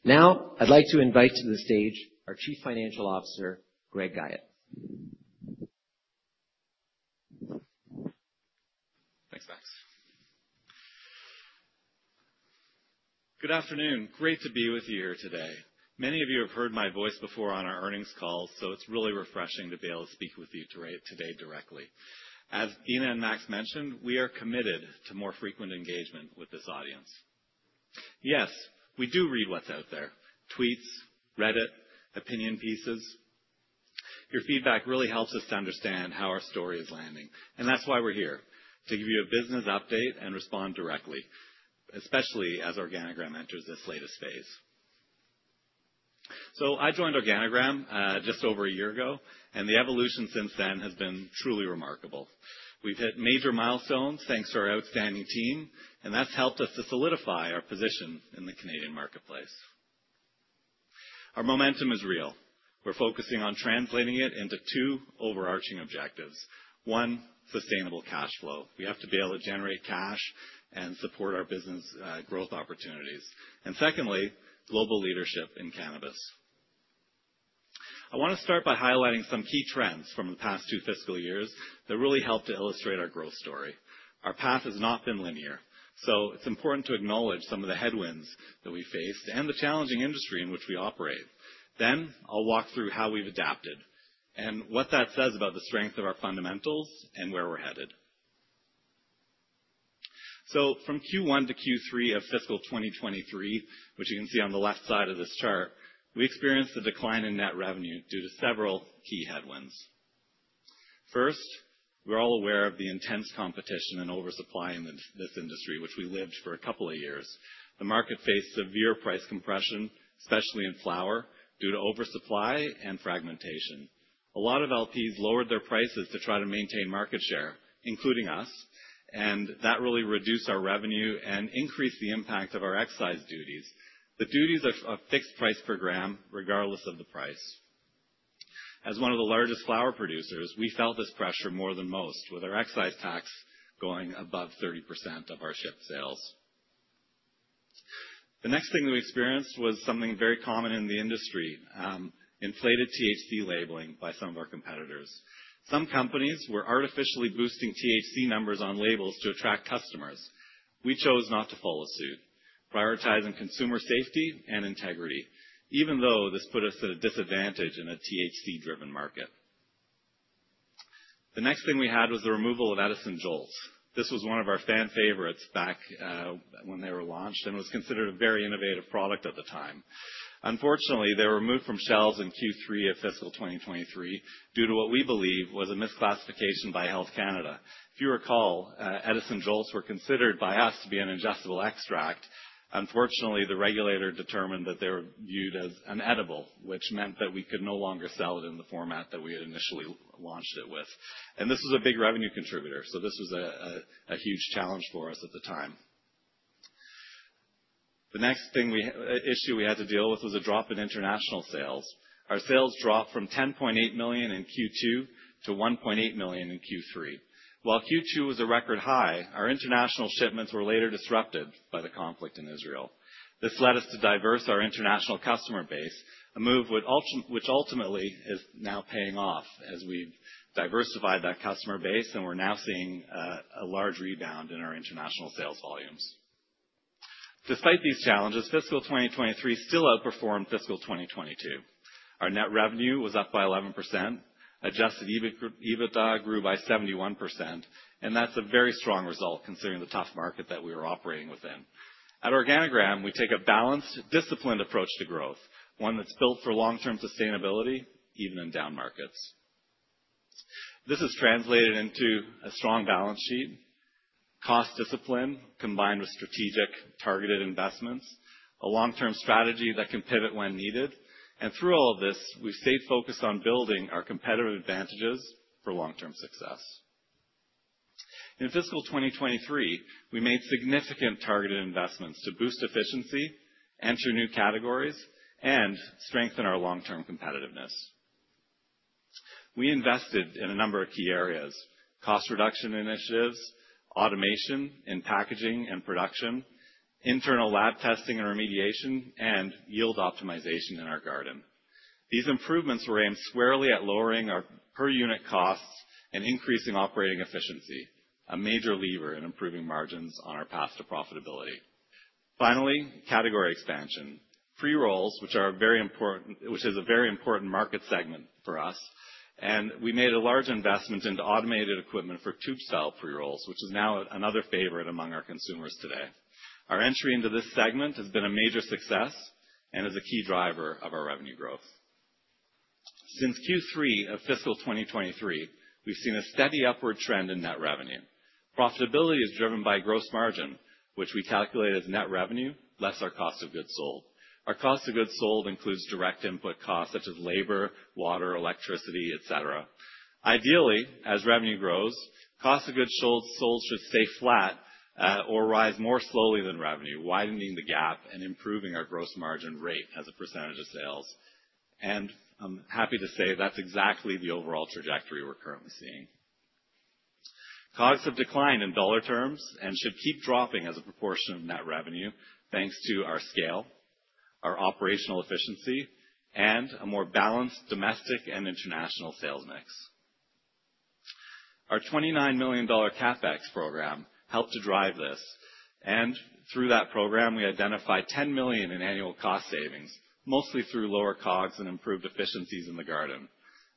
Now, I'd like to invite to the stage our Chief Financial Officer, Greg Guyatt. Thanks, Max. Good afternoon. Great to be with you here today. Many of you have heard my voice before on our earnings call, so it's really refreshing to be able to speak with you today directly. As Beena and Max mentioned, we are committed to more frequent engagement with this audience. Yes, we do read what's out there: tweets, Reddit, opinion pieces. Your feedback really helps us to understand how our story is landing, and that's why we're here, to give you a business update and respond directly, especially as Organigram enters this latest phase. I joined Organigram just over a year ago, and the evolution since then has been truly remarkable. We've hit major milestones thanks to our outstanding team, and that's helped us to solidify our position in the Canadian marketplace. Our momentum is real. We're focusing on translating it into two overarching objectives. One, sustainable cash flow. We have to be able to generate cash and support our business growth opportunities. Secondly, global leadership in cannabis. I want to start by highlighting some key trends from the past two fiscal years that really help to illustrate our growth story. Our path has not been linear, so it's important to acknowledge some of the headwinds that we faced and the challenging industry in which we operate. I will walk through how we've adapted and what that says about the strength of our fundamentals and where we're headed. From Q1 to Q3 of fiscal 2023, which you can see on the left side of this chart, we experienced a decline in net revenue due to several key headwinds. First, we're all aware of the intense competition and oversupply in this industry, which we lived for a couple of years. The market faced severe price compression, especially in flower, due to oversupply and fragmentation. A lot of LPs lowered their prices to try to maintain market share, including us, and that really reduced our revenue and increased the impact of our excise duties, the duties of a fixed price per gram regardless of the price. As one of the largest flower producers, we felt this pressure more than most, with our excise tax going above 30% of our ship sales. The next thing that we experienced was something very common in the industry: inflated THC labeling by some of our competitors. Some companies were artificially boosting THC numbers on labels to attract customers. We chose not to follow suit, prioritizing consumer safety and integrity, even though this put us at a disadvantage in a THC-driven market. The next thing we had was the removal of Edison Jolt. This was one of our fan favorites back when they were launched and was considered a very innovative product at the time. Unfortunately, they were removed from shelves in Q3 of fiscal 2023 due to what we believe was a misclassification by Health Canada. If you recall, Edison Jolts were considered by us to be an ingestible extract. Unfortunately, the regulator determined that they were viewed as unedible, which meant that we could no longer sell it in the format that we had initially launched it with. This was a big revenue contributor, so this was a huge challenge for us at the time. The next issue we had to deal with was a drop in international sales. Our sales dropped from 10.8 million in Q2 to 1.8 million in Q3. While Q2 was a record high, our international shipments were later disrupted by the conflict in Israel. This led us to diversify our international customer base, a move which ultimately is now paying off as we've diversified that customer base, and we're now seeing a large rebound in our international sales volumes. Despite these challenges, fiscal 2023 still outperformed fiscal 2022. Our net revenue was up by 11%, adjusted EBITDA grew by 71%, and that's a very strong result considering the tough market that we were operating within. At Organigram, we take a balanced, disciplined approach to growth, one that's built for long-term sustainability, even in down markets. This has translated into a strong balance sheet, cost discipline combined with strategic targeted investments, a long-term strategy that can pivot when needed, and through all of this, we've stayed focused on building our competitive advantages for long-term success. In fiscal 2023, we made significant targeted investments to boost efficiency, enter new categories, and strengthen our long-term competitiveness. We invested in a number of key areas: cost reduction initiatives, automation in packaging and production, internal lab testing and remediation, and yield optimization in our garden. These improvements were aimed squarely at lowering our per-unit costs and increasing operating efficiency, a major lever in improving margins on our path to profitability. Finally, category expansion, pre-rolls, which are very important, which is a very important market segment for us, and we made a large investment into automated equipment for tube-style pre-rolls, which is now another favorite among our consumers today. Our entry into this segment has been a major success and is a key driver of our revenue growth. Since Q3 of fiscal 2023, we've seen a steady upward trend in net revenue. Profitability is driven by gross margin, which we calculate as net revenue less our cost of goods sold. Our cost of goods sold includes direct input costs such as labor, water, electricity, etc. Ideally, as revenue grows, cost of goods sold should stay flat or rise more slowly than revenue, widening the gap and improving our gross margin rate as a percentage of sales. I am happy to say that is exactly the overall trajectory we are currently seeing. Costs have declined in dollar terms and should keep dropping as a proportion of net revenue, thanks to our scale, our operational efficiency, and a more balanced domestic and international sales mix. Our $29 million CapEx program helped to drive this, and through that program, we identified 10 million in annual cost savings, mostly through lower COGS and improved efficiencies in the garden.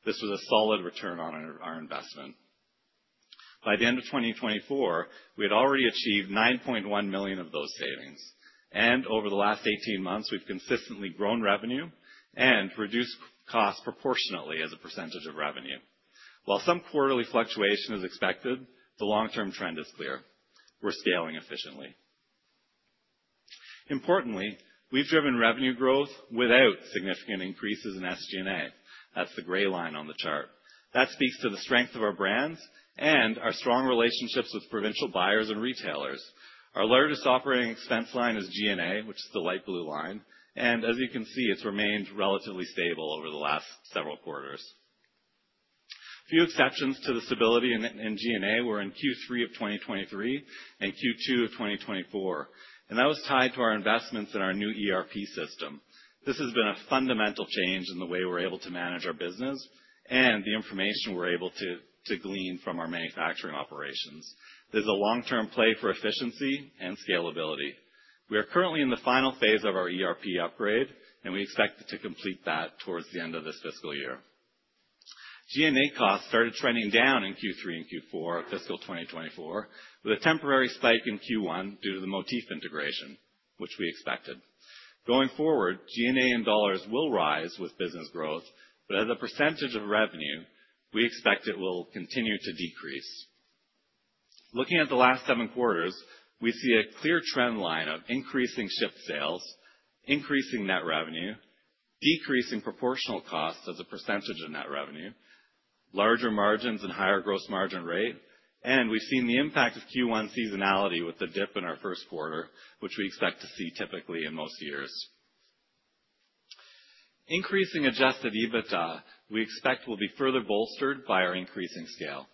This was a solid return on our investment. By the end of 2024, we had already achieved 9.1 million of those savings, and over the last 18 months, we've consistently grown revenue and reduced costs proportionately as a percentage of revenue. While some quarterly fluctuation is expected, the long-term trend is clear. We're scaling efficiently. Importantly, we've driven revenue growth without significant increases in SG&A. That's the gray line on the chart. That speaks to the strength of our brands and our strong relationships with provincial buyers and retailers. Our largest operating expense line is G&A, which is the light blue line, and as you can see, it's remained relatively stable over the last several quarters. Few exceptions to the stability in G&A were in Q3 of 2023 and Q2 of 2024, and that was tied to our investments in our new ERP system. This has been a fundamental change in the way we're able to manage our business and the information we're able to glean from our manufacturing operations. There's a long-term play for efficiency and scalability. We are currently in the final phase of our ERP upgrade, and we expect to complete that towards the end of this fiscal year. G&A costs started trending down in Q3 and Q4 of fiscal 2024, with a temporary spike in Q1 due to the Motif integration, which we expected. Going forward, G&A in dollars will rise with business growth, but as a percentage of revenue, we expect it will continue to decrease. Looking at the last seven quarters, we see a clear trend line of increasing ship sales, increasing net revenue, decreasing proportional costs as a percentage of net revenue, larger margins and higher gross margin rate, and we've seen the impact of Q1 seasonality with the dip in our first quarter, which we expect to see typically in most years. Increasing adjusted EBITDA, we expect will be further bolstered by our increasing scale.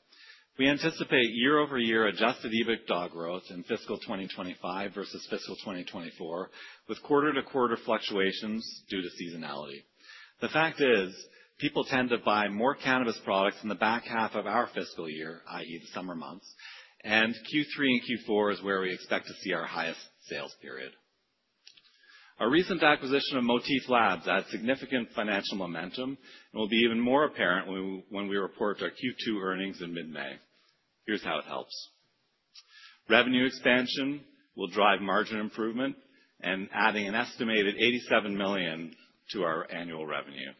We anticipate year-over-year adjusted EBITDA growth in fiscal 2025 versus fiscal 2024, with quarter-to-quarter fluctuations due to seasonality. The fact is, people tend to buy more cannabis products in the back half of our fiscal year, the summer months, and Q3 and Q4 is where we expect to see our highest sales period. Our recent acquisition of Motif Labs adds significant financial momentum and will be even more apparent when we report our Q2 earnings in mid-May. Here's how it helps. Revenue expansion will drive margin improvement and adding an estimated 87 million to our annual revenue.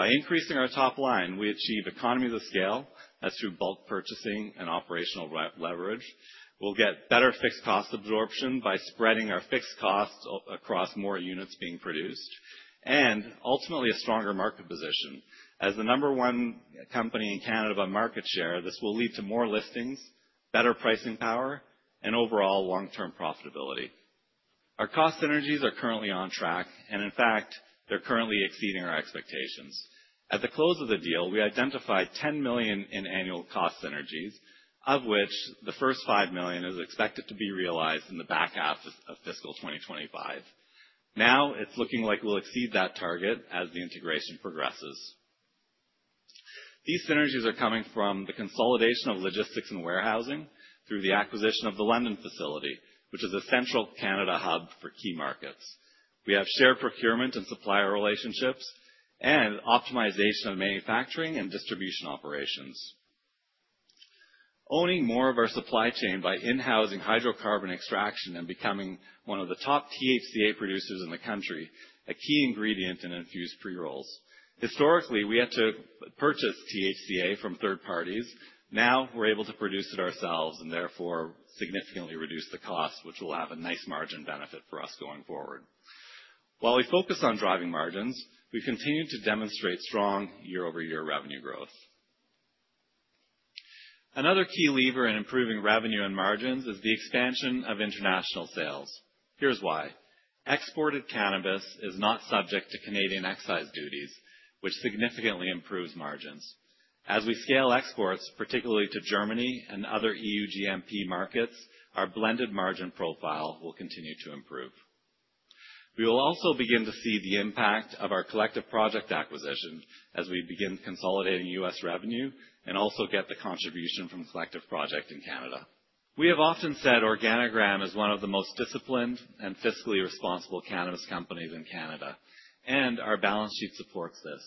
By increasing our top line, we achieve economies of scale as through bulk purchasing and operational leverage. We'll get better fixed cost absorption by spreading our fixed costs across more units being produced and ultimately a stronger market position. As the number one company in Canada by market share, this will lead to more listings, better pricing power, and overall long-term profitability. Our cost synergies are currently on track, and in fact, they're currently exceeding our expectations. At the close of the deal, we identified 10 million in annual cost synergies, of which the first 5 million is expected to be realized in the back half of fiscal 2025. Now, it's looking like we'll exceed that target as the integration progresses. These synergies are coming from the consolidation of logistics and warehousing through the acquisition of the London facility, which is a central Canada hub for key markets. We have shared procurement and supplier relationships and optimization of manufacturing and distribution operations. Owning more of our supply chain by in-housing hydrocarbon extraction and becoming one of the top THCA producers in the country, a key ingredient in infused pre-rolls. Historically, we had to purchase THCA from third parties. Now, we're able to produce it ourselves and therefore significantly reduce the cost, which will have a nice margin benefit for us going forward. While we focus on driving margins, we've continued to demonstrate strong year-over-year revenue growth. Another key lever in improving revenue and margins is the expansion of international sales. Here's why. Exported cannabis is not subject to Canadian excise duties, which significantly improves margins. As we scale exports, particularly to Germany and other EU GMP markets, our blended margin profile will continue to improve. We will also begin to see the impact of our Collective Project acquisition as we begin consolidating U.S. revenue and also get the contribution from the Collective Project in Canada. We have often said Organigram is one of the most disciplined and fiscally responsible cannabis companies in Canada, and our balance sheet supports this.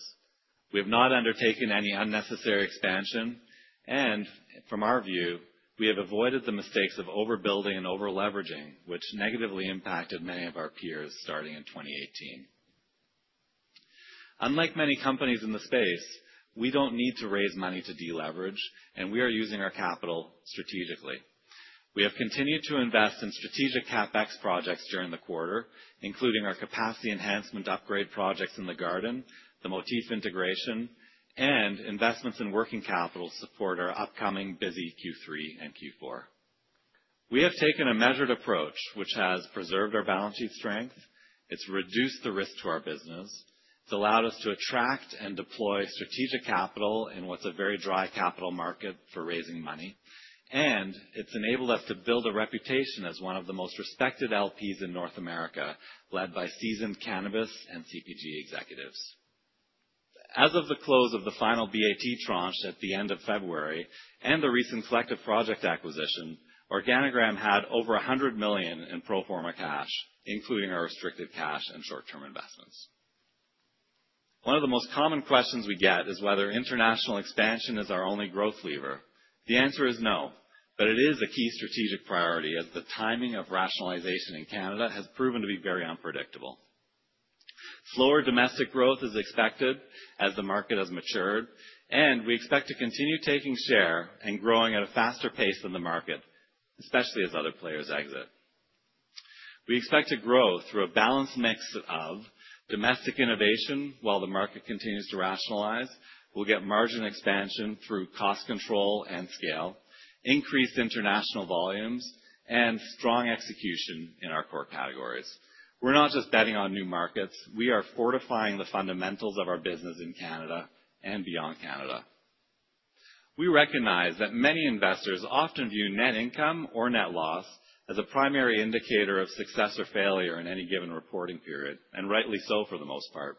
We have not undertaken any unnecessary expansion, and from our view, we have avoided the mistakes of overbuilding and overleveraging, which negatively impacted many of our peers starting in 2018. Unlike many companies in the space, we do not need to raise money to deleverage, and we are using our capital strategically. We have continued to invest in strategic CapEx projects during the quarter, including our capacity enhancement upgrade projects in the garden, the Motif integration, and investments in working capital to support our upcoming busy Q3 and Q4. We have taken a measured approach, which has preserved our balance sheet strength. It's reduced the risk to our business. It's allowed us to attract and deploy strategic capital in what's a very dry capital market for raising money, and it's enabled us to build a reputation as one of the most respected LPs in North America, led by seasoned cannabis and CPG executives. As of the close of the final BAT tranche at the end of February and the recent Collective Project acquisition, Organigram had over 100 million in pro forma cash, including our restricted cash and short-term investments. One of the most common questions we get is whether international expansion is our only growth lever. The answer is no, but it is a key strategic priority as the timing of rationalization in Canada has proven to be very unpredictable. Slower domestic growth is expected as the market has matured, and we expect to continue taking share and growing at a faster pace than the market, especially as other players exit. We expect to grow through a balanced mix of domestic innovation while the market continues to rationalize. We'll get margin expansion through cost control and scale, increased international volumes, and strong execution in our core categories. We're not just betting on new markets. We are fortifying the fundamentals of our business in Canada and beyond Canada. We recognize that many investors often view net income or net loss as a primary indicator of success or failure in any given reporting period, and rightly so for the most part.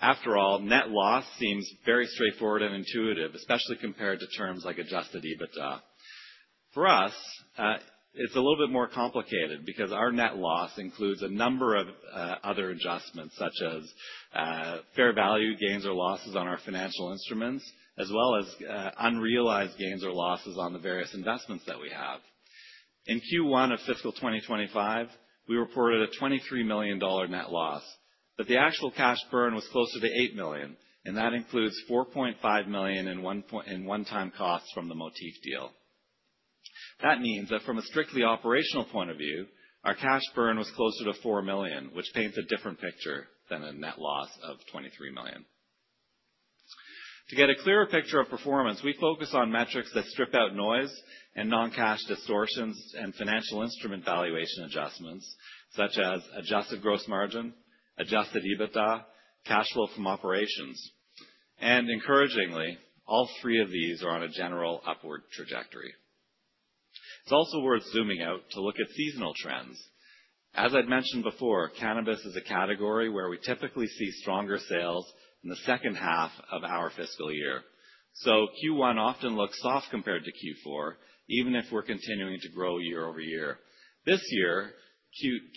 After all, net loss seems very straightforward and intuitive, especially compared to terms like adjusted EBITDA. For us, it's a little bit more complicated because our net loss includes a number of other adjustments, such as fair value gains or losses on our financial instruments, as well as unrealized gains or losses on the various investments that we have. In Q1 of fiscal 2025, we reported a $23 million net loss, but the actual cash burn was closer to 8 million, and that includes 4.5 million in one-time costs from the Motif deal. That means that from a strictly operational point of view, our cash burn was closer to 4 million, which paints a different picture than a net loss of 23 million. To get a clearer picture of performance, we focus on metrics that strip out noise and non-cash distortions and financial instrument valuation adjustments, such as adjusted gross margin, adjusted EBITDA, cash flow from operations, and encouragingly, all three of these are on a general upward trajectory. It is also worth zooming out to look at seasonal trends. As I had mentioned before, cannabis is a category where we typically see stronger sales in the second half of our fiscal year. Q1 often looks soft compared to Q4, even if we are continuing to grow year over year. This year,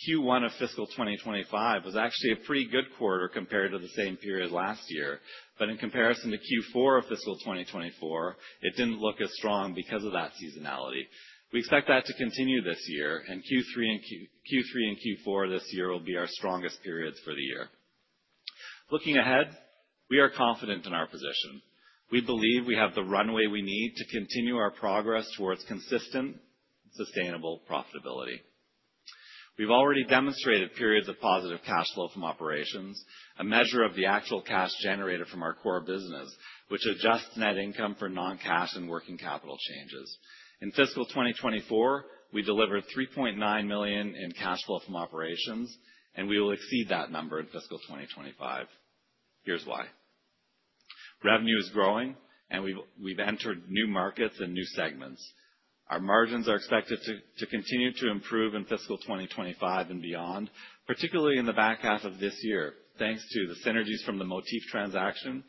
Q1 of fiscal 2025 was actually a pretty good quarter compared to the same period last year, but in comparison to Q4 of fiscal 2024, it did not look as strong because of that seasonality. We expect that to continue this year, and Q3 and Q4 this year will be our strongest periods for the year. Looking ahead, we are confident in our position. We believe we have the runway we need to continue our progress towards consistent, sustainable profitability. We have already demonstrated periods of positive cash flow from operations, a measure of the actual cash generated from our core business, which adjusts net income for non-cash and working capital changes. In fiscal 2024, we delivered 3.9 million in cash flow from operations, and we will exceed that number in fiscal 2025. Here is why. Revenue is growing, and we have entered new markets and new segments. Our margins are expected to continue to improve in fiscal 2025 and beyond, particularly in the back half of this year, thanks to the synergies from the Motif transaction.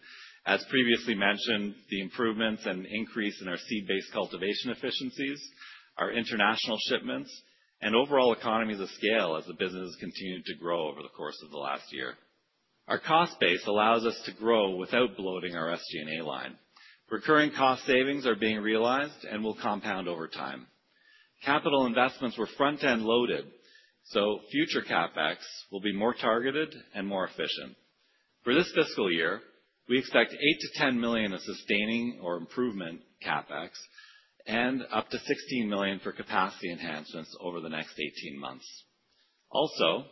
As previously mentioned, the improvements and increase in our seed-based cultivation efficiencies, our international shipments, and overall economies of scale as the business has continued to grow over the course of the last year. Our cost base allows us to grow without bloating our SG&A line. Recurring cost savings are being realized and will compound over time. Capital investments were front-end loaded, so future CapEx will be more targeted and more efficient. For this fiscal year, we expect 8 million-10 million of sustaining or improvement CapEx and up to 16 million for capacity enhancements over the next 18 months. Also,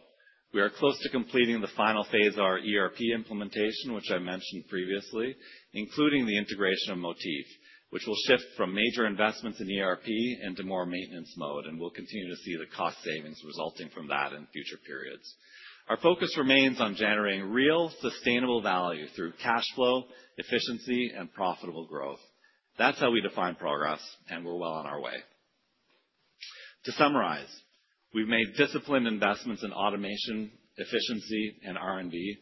we are close to completing the final phase of our ERP implementation, which I mentioned previously, including the integration of Motif, which will shift from major investments in ERP into more maintenance mode, and we'll continue to see the cost savings resulting from that in future periods. Our focus remains on generating real sustainable value through cash flow, efficiency, and profitable growth. That's how we define progress, and we're well on our way. To summarize, we've made disciplined investments in automation, efficiency, and R&D.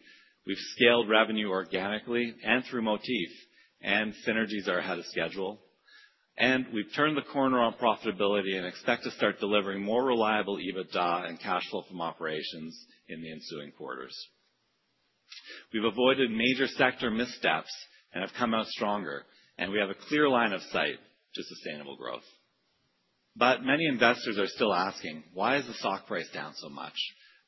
We've scaled revenue organically and through Motif, and synergies are ahead of schedule. We've turned the corner on profitability and expect to start delivering more reliable EBITDA and cash flow from operations in the ensuing quarters. We've avoided major sector missteps and have come out stronger, and we have a clear line of sight to sustainable growth. Many investors are still asking, why is the stock price down so much?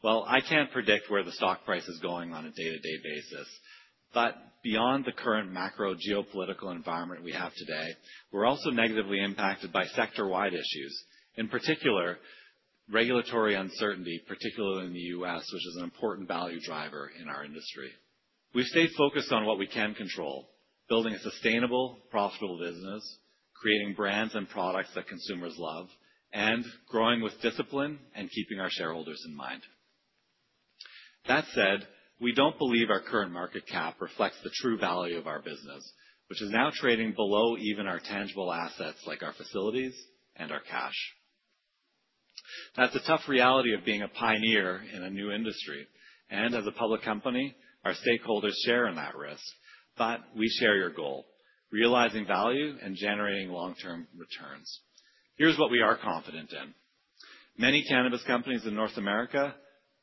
I can't predict where the stock price is going on a day-to-day basis, but beyond the current macro geopolitical environment we have today, we're also negatively impacted by sector-wide issues, in particular regulatory uncertainty, particularly in the U.S., which is an important value driver in our industry. We've stayed focused on what we can control, building a sustainable, profitable business, creating brands and products that consumers love, and growing with discipline and keeping our shareholders in mind. That said, we don't believe our current market cap reflects the true value of our business, which is now trading below even our tangible assets like our facilities and our cash. That's a tough reality of being a pioneer in a new industry, and as a public company, our stakeholders share in that risk, but we share your goal, realizing value and generating long-term returns. Here's what we are confident in. Many cannabis companies in North America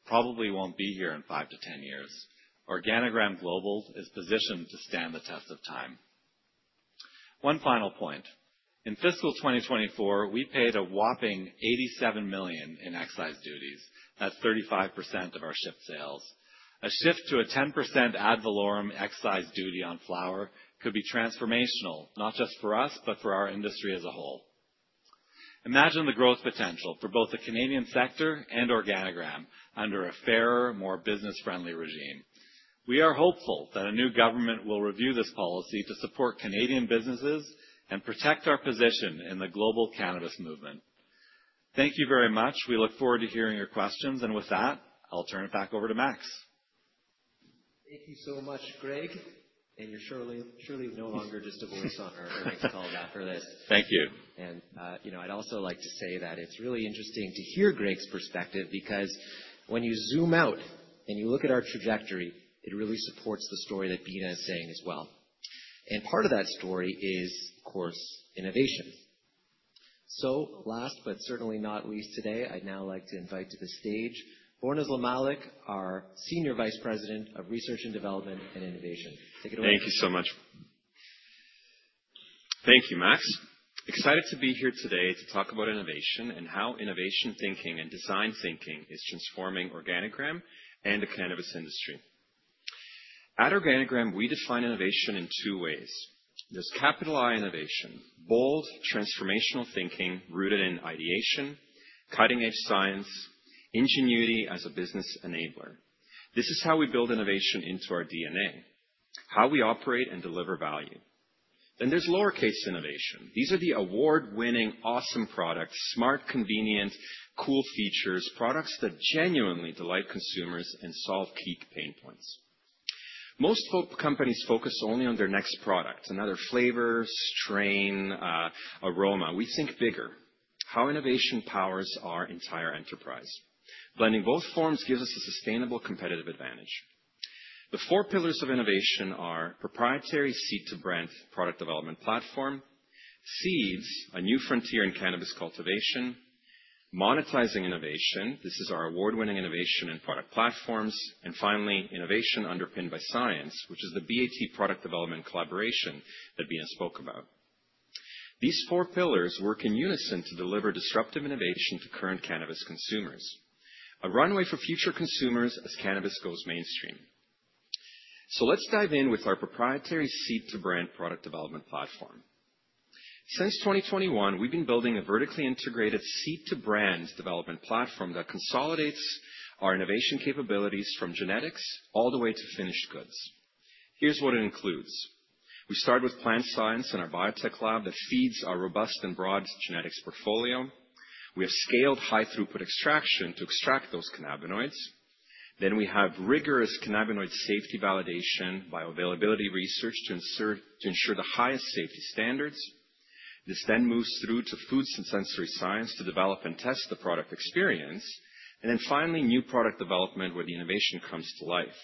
probably won't be here in five to ten years. Organigram Global is positioned to stand the test of time. One final point. In fiscal 2024, we paid a whopping 87 million in excise duties. That's 35% of our shipped sales. A shift to a 10% ad valorem excise duty on flower could be transformational, not just for us, but for our industry as a whole. Imagine the growth potential for both the Canadian sector and Organigram under a fairer, more business-friendly regime. We are hopeful that a new government will review this policy to support Canadian businesses and protect our position in the global cannabis movement. Thank you very much. We look forward to hearing your questions, and with that, I'll turn it back over to Max. Thank you so much, Greg, and you're surely no longer just a voice on our earnings calls after this. Thank you. You know I'd also like to say that it's really interesting to hear Greg's perspective because when you zoom out and you look at our trajectory, it really supports the story that Beena is saying as well. Part of that story is, of course, innovation. Last, but certainly not least today, I'd now like to invite to the stage Borna Zlamalik, our Senior Vice President of Research and Development and Innovation. Take it away. Thank you so much. Thank you, Max. Excited to be here today to talk about innovation and how innovation thinking and design thinking is transforming Organigram and the cannabis industry. At Organigram, we define innovation in two ways. There is capital I innovation, bold transformational thinking rooted in ideation, cutting-edge science, ingenuity as a business enabler. This is how we build innovation into our DNA, how we operate and deliver value. There is lowercase innovation. These are the award-winning, awesome products, smart, convenient, cool features, products that genuinely delight consumers and solve key pain points. Most companies focus only on their next product, another flavor, strain, aroma. We think bigger, how innovation powers our entire enterprise. Blending both forms gives us a sustainable competitive advantage. The four pillars of innovation are proprietary seed-to-brand product development platform, seeds, a new frontier in cannabis cultivation, monetizing innovation. This is our award-winning innovation and product platforms. Finally, innovation underpinned by science, which is the BAT product development collaboration that Beena spoke about. These four pillars work in unison to deliver disruptive innovation to current cannabis consumers, a runway for future consumers as cannabis goes mainstream. Let's dive in with our proprietary seed-to-brand product development platform. Since 2021, we've been building a vertically integrated seed-to-brand development platform that consolidates our innovation capabilities from genetics all the way to finished goods. Here's what it includes. We start with plant science in our biotech lab that feeds our robust and broad genetics portfolio. We have scaled high-throughput extraction to extract those cannabinoids. Then we have rigorous cannabinoid safety validation by availability research to ensure the highest safety standards. This then moves through to foods and sensory science to develop and test the product experience. Finally, new product development where the innovation comes to life.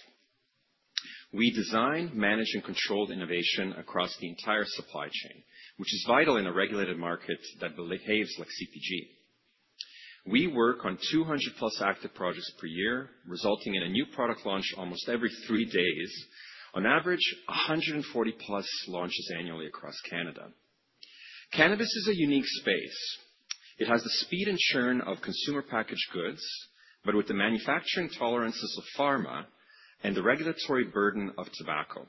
We design, manage, and control innovation across the entire supply chain, which is vital in a regulated market that behaves like CPG. We work on 200-plus active projects per year, resulting in a new product launch almost every three days. On average, 140-plus launches annually across Canada. Cannabis is a unique space. It has the speed and churn of consumer packaged goods, but with the manufacturing tolerances of pharma and the regulatory burden of tobacco.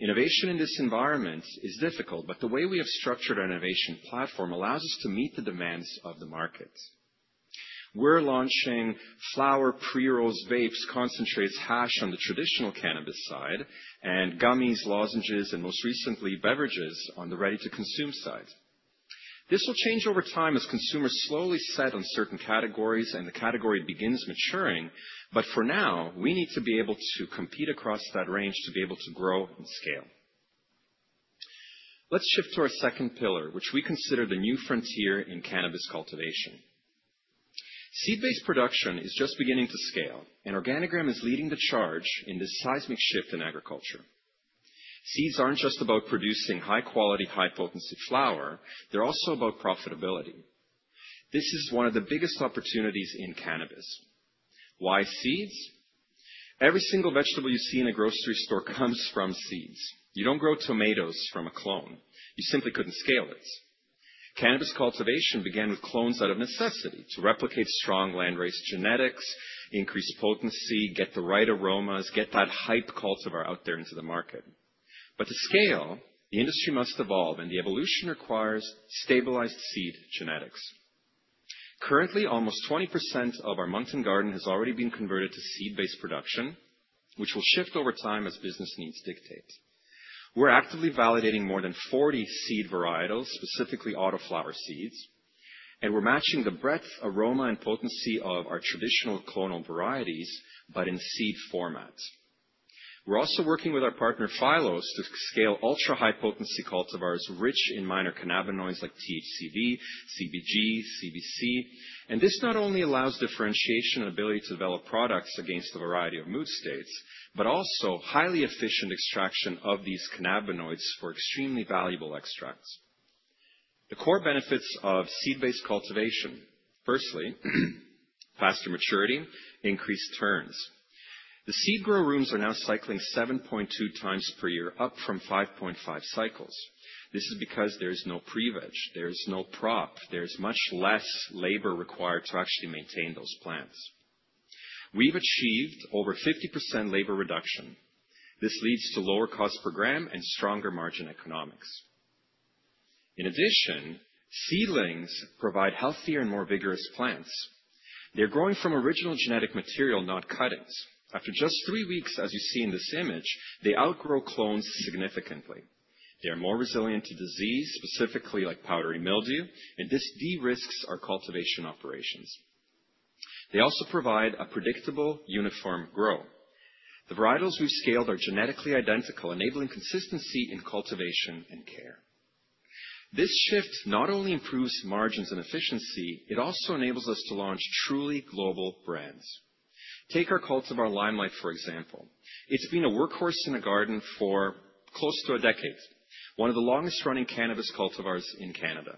Innovation in this environment is difficult, but the way we have structured our innovation platform allows us to meet the demands of the market. We're launching flower, pre-rolls, vapes, concentrates, hash on the traditional cannabis side and gummies, lozenges, and most recently, beverages on the ready to consume side. This will change over time as consumers slowly set on certain categories and the category begins maturing, but for now, we need to be able to compete across that range to be able to grow and scale. Let's shift to our second pillar, which we consider the new frontier in cannabis cultivation. Seed-based production is just beginning to scale, and Organigram is leading the charge in this seismic shift in agriculture. Seeds aren't just about producing high-quality, high-potency flower; they're also about profitability. This is one of the biggest opportunities in cannabis. Why seeds? Every single vegetable you see in a grocery store comes from seeds. You don't grow tomatoes from a clone. You simply couldn't scale it. Cannabis cultivation began with clones out of necessity to replicate strong land raised genetics, increase potency, get the right aromas, get that hype cultivar out there into the market. To scale, the industry must evolve, and the evolution requires stabilized seed genetics. Currently, almost 20% of our mountain garden has already been converted to seed-based production, which will shift over time as business needs dictate. We're actively validating more than 40 seed varietals, specifically autoflower seeds, and we're matching the breadth, aroma, and potency of our traditional clonal varieties, but in seed format. We're also working with our partner Phylos to scale ultra-high-potency cultivars rich in minor cannabinoids like THCV, CBG, CBC. This not only allows differentiation and ability to develop products against a variety of mood states, but also highly efficient extraction of these cannabinoids for extremely valuable extracts. The core benefits of seed-based cultivation, firstly, faster maturity, increased turns. The seed grow rooms are now cycling 7.2 times per year, up from 5.5 cycles. This is because there is no pre-veg, there is no prop, there is much less labor required to actually maintain those plants. We have achieved over 50% labor reduction. This leads to lower cost per gram and stronger margin economics. In addition, seedlings provide healthier and more vigorous plants. They are growing from original genetic material, not cuttings. After just three weeks, as you see in this image, they outgrow clones significantly. They are more resilient to disease, specifically like powdery mildew, and this de-risks our cultivation operations. They also provide a predictable, uniform grow. The varietals we have scaled are genetically identical, enabling consistency in cultivation and care. This shift not only improves margins and efficiency, it also enables us to launch truly global brands. Take our cultivar Limelight, for example. It has been a workhorse in the garden for close to a decade, one of the longest-running cannabis cultivars in Canada.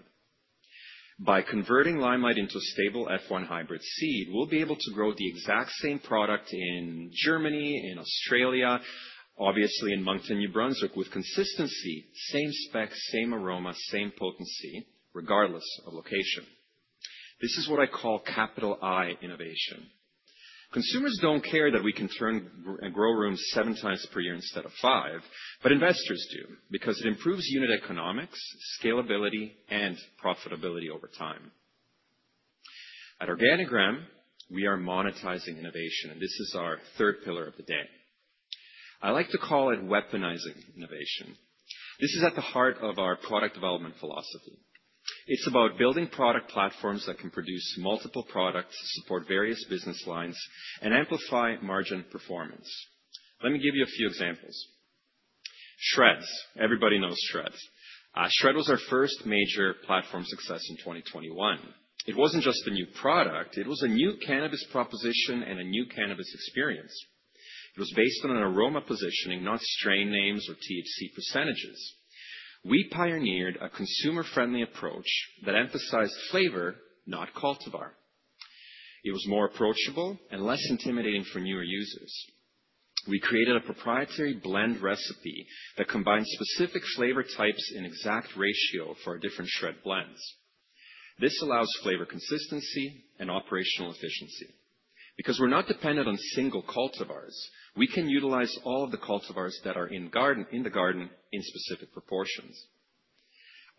By converting Limelight into a stable F1 hybrid seed, we'll be able to grow the exact same product in Germany, in Australia, obviously in Moncton, New Brunswick, with consistency, same specs, same aroma, same potency, regardless of location. This is what I call capital I innovation. Consumers don't care that we can turn grow rooms seven times per year instead of five, but investors do because it improves unit economics, scalability, and profitability over time. At Organigram, we are monetizing innovation, and this is our third pillar of the day. I like to call it weaponizing innovation. This is at the heart of our product development philosophy. It's about building product platforms that can produce multiple products, support various business lines, and amplify margin performance. Let me give you a few examples. Shred. Everybody knows Shred. Shred was our first major platform success in 2021. It wasn't just a new product. It was a new cannabis proposition and a new cannabis experience. It was based on an aroma positioning, not strain names or THC percentages. We pioneered a consumer friendly approach that emphasized flavor, not cultivar. It was more approachable and less intimidating for newer users. We created a proprietary blend recipe that combines specific flavor types in exact ratio for different Shred blends. This allows flavor consistency and operational efficiency. Because we're not dependent on single cultivars, we can utilize all of the cultivars that are in the garden in specific proportions.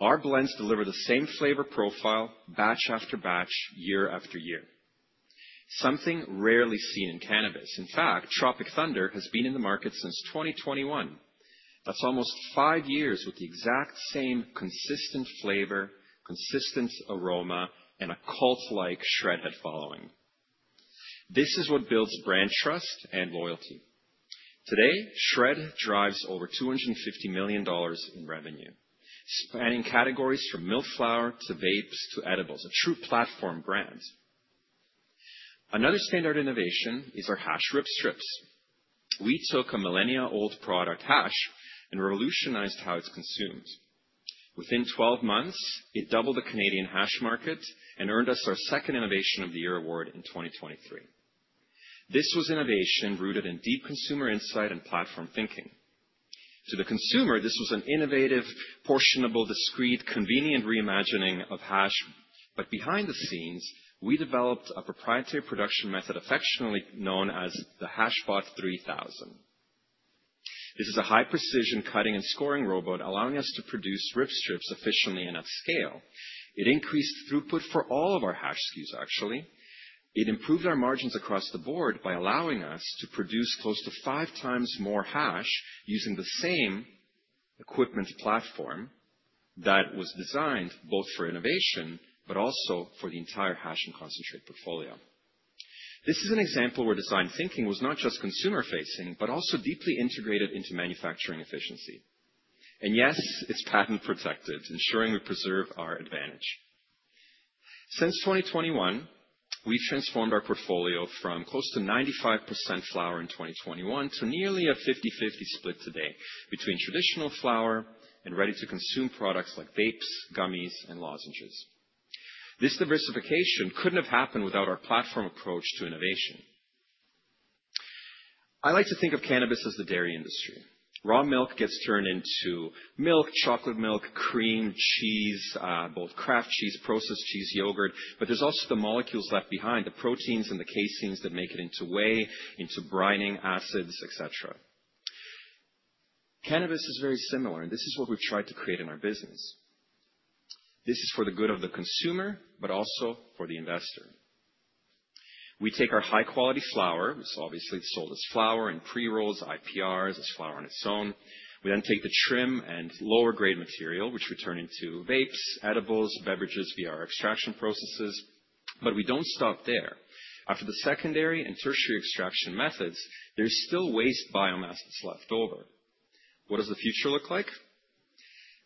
Our blends deliver the same flavor profile batch after batch, year after year. Something rarely seen in cannabis. In fact, Tropic Thunder has been in the market since 2021. That's almost five years with the exact same consistent flavor, consistent aroma, and a cult-like Shred head following. This is what builds brand trust and loyalty. Today, Shred drives over $250 million in revenue, spanning categories from milled flower to vapes to edibles, a true platform brand. Another standard innovation is our hash Ripstrip Hash. We took a millennia-old product, hash, and revolutionized how it's consumed. Within 12 months, it doubled the Canadian hash market and earned us our second Innovation of the Year award in 2023. This was innovation rooted in deep consumer insight and platform thinking. To the consumer, this was an innovative, portionable, discreet, convenient reimagining of hash. Behind the scenes, we developed a proprietary production method affectionately known as the Hashbot 3000. This is a high-precision cutting and scoring robot, allowing us to produce Ripstrip Hash efficiently and at scale. It increased throughput for all of our hash SKUs, actually. It improved our margins across the board by allowing us to produce close to five times more hash using the same equipment platform that was designed both for innovation, but also for the entire hash and concentrate portfolio. This is an example where design thinking was not just consumer-facing, but also deeply integrated into manufacturing efficiency. Yes, it's patent-protected, ensuring we preserve our advantage. Since 2021, we've transformed our portfolio from close to 95% flower in 2021 to nearly a 50-50 split today between traditional flower and ready-to-consume products like vapes, gummies, and lozenges. This diversification couldn't have happened without our platform approach to innovation. I like to think of cannabis as the dairy industry. Raw milk gets turned into milk, chocolate milk, cream, cheese, both craft cheese, processed cheese, yogurt, but there's also the molecules left behind, the proteins and the caseins that make it into whey, into brining, acids, etc. Cannabis is very similar, and this is what we've tried to create in our business. This is for the good of the consumer, but also for the investor. We take our high-quality flower, which is obviously sold as flower in pre-rolls, IPRs, as flower on its own. We then take the trim and lower-grade material, which we turn into vapes, edibles, beverages via our extraction processes. We do not stop there. After the secondary and tertiary extraction methods, there's still waste biomass that's left over. What does the future look like?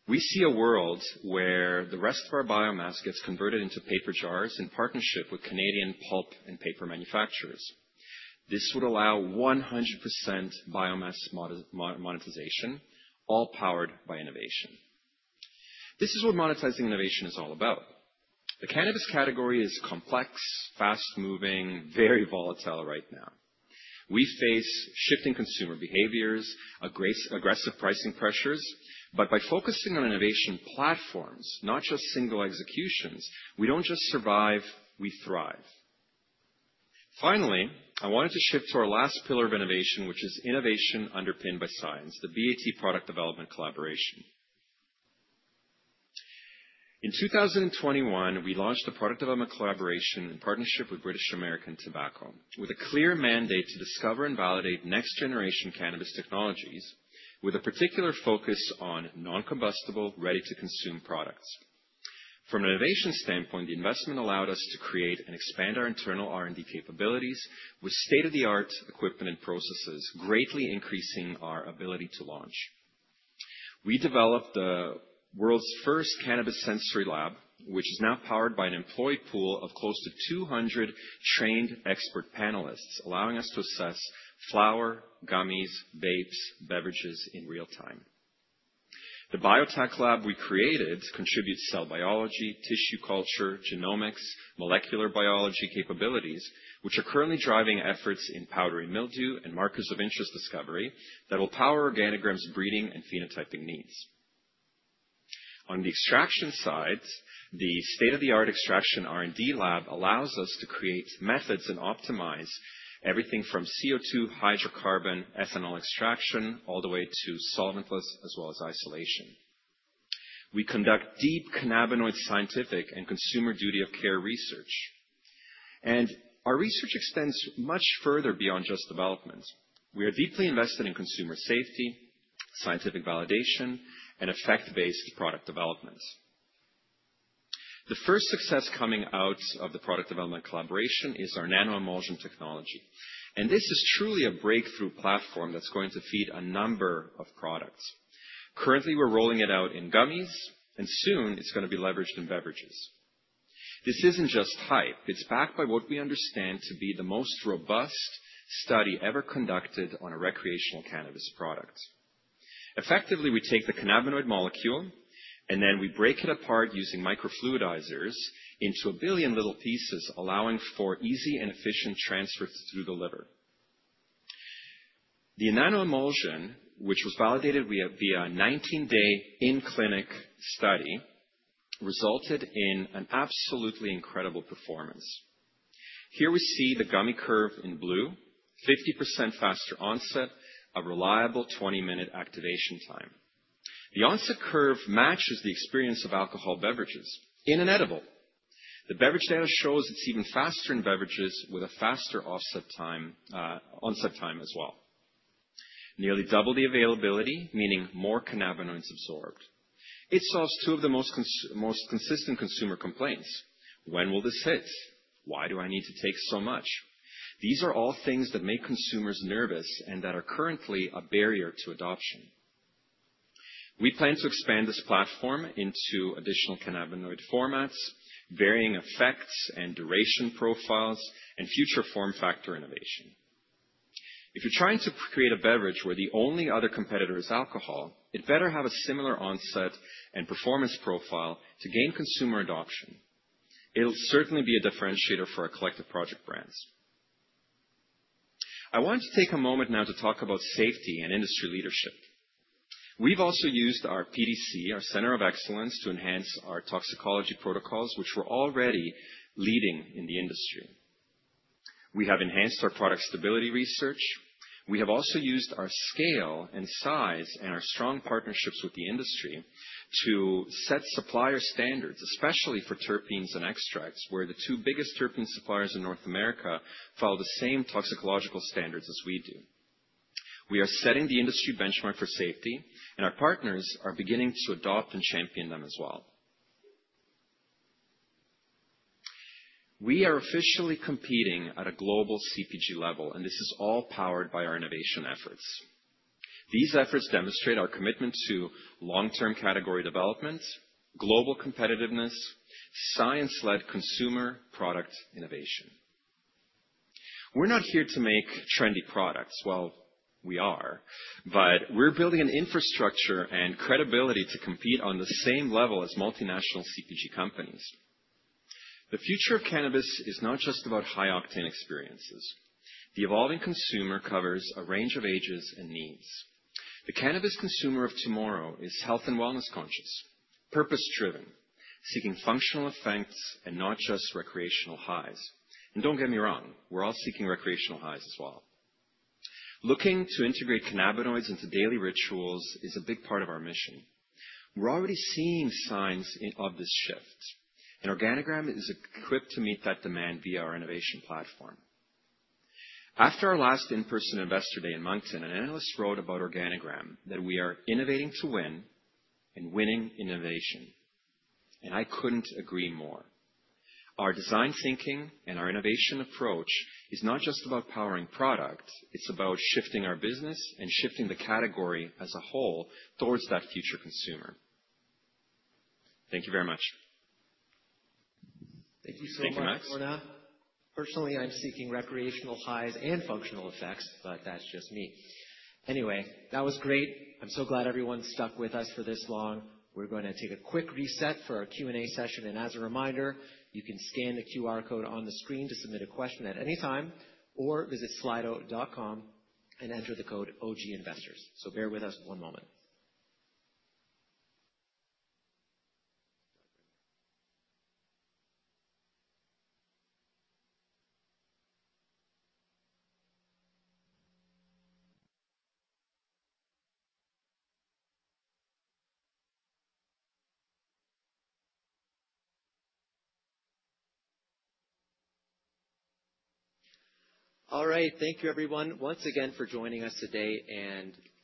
We see a world where the rest of our biomass gets converted into paper jars in partnership with Canadian pulp and paper manufacturers. This would allow 100% biomass monetization, all powered by innovation. This is what monetizing innovation is all about. The cannabis category is complex, fast-moving, very volatile right now. We face shifting consumer behaviors, aggressive pricing pressures, but by focusing on innovation platforms, not just single executions, we do not just survive, we thrive. Finally, I wanted to shift to our last pillar of innovation, which is innovation underpinned by science, the BAT product development collaboration. In 2021, we launched a product development collaboration in partnership with BAT, with a clear mandate to discover and validate next-generation cannabis technologies, with a particular focus on non-combustible, ready-to-consume products. From an innovation standpoint, the investment allowed us to create and expand our internal R&D capabilities with state-of-the-art equipment and processes, greatly increasing our ability to launch. We developed the world's first cannabis sensory lab, which is now powered by an employee pool of close to 200 trained expert panelists, allowing us to assess flower, gummies, vapes, beverages in real time. The biotech lab we created contributes cell biology, tissue culture, genomics, molecular biology capabilities, which are currently driving efforts in powdery mildew and markers of interest discovery that will power Organigram's breeding and phenotyping needs. On the extraction side, the state-of-the-art extraction R&D lab allows us to create methods and optimize everything from CO2, hydrocarbon, ethanol extraction, all the way to solventless as well as isolation. We conduct deep cannabinoid scientific and consumer duty of care research. Our research extends much further beyond just development. We are deeply invested in consumer safety, scientific validation, and effect-based product development. The first success coming out of the product development collaboration is our nano-emulsion technology. This is truly a breakthrough platform that is going to feed a number of products. Currently, we are rolling it out in gummies, and soon it is going to be leveraged in beverages. This is not just hype. It is backed by what we understand to be the most robust study ever conducted on a recreational cannabis product. Effectively, we take the cannabinoid molecule, and then we break it apart using microfluidizers into a billion little pieces, allowing for easy and efficient transfers through the liver. The nano-emulsion, which was validated via a 19-day in-clinic study, resulted in an absolutely incredible performance. Here we see the gummy curve in blue, 50% faster onset, a reliable 20-minute activation time. The onset curve matches the experience of alcohol beverages in an edible. The beverage data shows it's even faster in beverages with a faster offset time onset time as well. Nearly double the availability, meaning more cannabinoids absorbed. It solves two of the most consistent consumer complaints. When will this hit? Why do I need to take so much? These are all things that make consumers nervous and that are currently a barrier to adoption. We plan to expand this platform into additional cannabinoid formats, varying effects and duration profiles, and future form factor innovation. If you're trying to create a beverage where the only other competitor is alcohol, it better have a similar onset and performance profile to gain consumer adoption. It'll certainly be a differentiator for our Collective Project brands. I want to take a moment now to talk about safety and industry leadership. have also used our PDC, our Center of Excellence, to enhance our toxicology protocols, which we are already leading in the industry. We have enhanced our product stability research. We have also used our scale and size and our strong partnerships with the industry to set supplier standards, especially for terpenes and extracts, where the two biggest terpene suppliers in North America follow the same toxicological standards as we do. We are setting the industry benchmark for safety, and our partners are beginning to adopt and champion them as well. We are officially competing at a global CPG level, and this is all powered by our innovation efforts. These efforts demonstrate our commitment to long-term category development, global competitiveness, science-led consumer product innovation. We are not here to make trendy products. Well, we are, but we are building an infrastructure and credibility to compete on the same level as multinational CPG companies. The future of cannabis is not just about high-octane experiences. The evolving consumer covers a range of ages and needs. The cannabis consumer of tomorrow is health and wellness conscious, purpose-driven, seeking functional effects and not just recreational highs. Do not get me wrong, we're all seeking recreational highs as well. Looking to integrate cannabinoids into daily rituals is a big part of our mission. We're already seeing signs of this shift, and Organigram is equipped to meet that demand via our innovation platform. After our last in-person investor day in Moncton, an analyst wrote about Organigram that we are innovating to win and winning innovation. I could not agree more. Our design thinking and our innovation approach is not just about powering product. It is about shifting our business and shifting the category as a whole towards that future consumer. Thank you very much. Thank you so much, Bernard. Personally, I'm seeking recreational highs and functional effects, but that's just me. Anyway, that was great. I'm so glad everyone stuck with us for this long. We're going to take a quick reset for our Q&A session. As a reminder, you can scan the QR code on the screen to submit a question at any time or visit slido.com and enter the code OGINVESTORS. Bear with us one moment. All right. Thank you, everyone, once again for joining us today.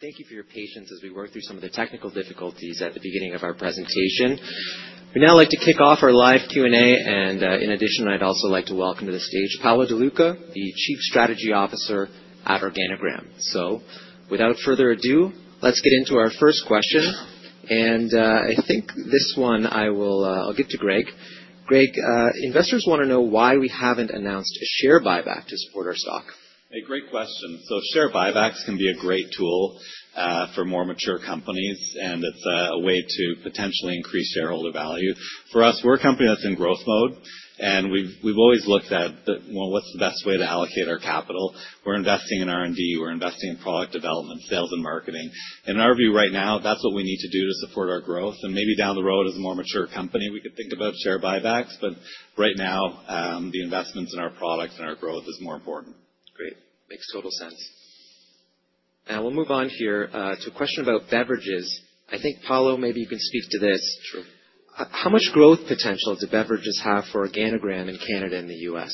Thank you for your patience as we worked through some of the technical difficulties at the beginning of our presentation. We now like to kick off our live Q&A. In addition, I'd also like to welcome to the stage Paolo De Luca, the Chief Strategy Officer at Organigram. Without further ado, let's get into our first question. I think this one I will give to Greg. Greg, investors want to know why we have not announced a share buyback to support our stock. A great question. Share buybacks can be a great tool for more mature companies, and it is a way to potentially increase shareholder value. For us, we are a company that is in growth mode, and we have always looked at what is the best way to allocate our capital. We are investing in R&D. We are investing in product development, sales, and marketing. In our view right now, that is what we need to do to support our growth. Maybe down the road, as a more mature company, we could think about share buybacks. Right now, the investments in our product and our growth is more important. Great. Makes total sense. Now we will move on here to a question about beverages. I think, Paolo, maybe you can speak to this. Sure. How much growth potential do beverages have for Organigram in Canada and the U.S.?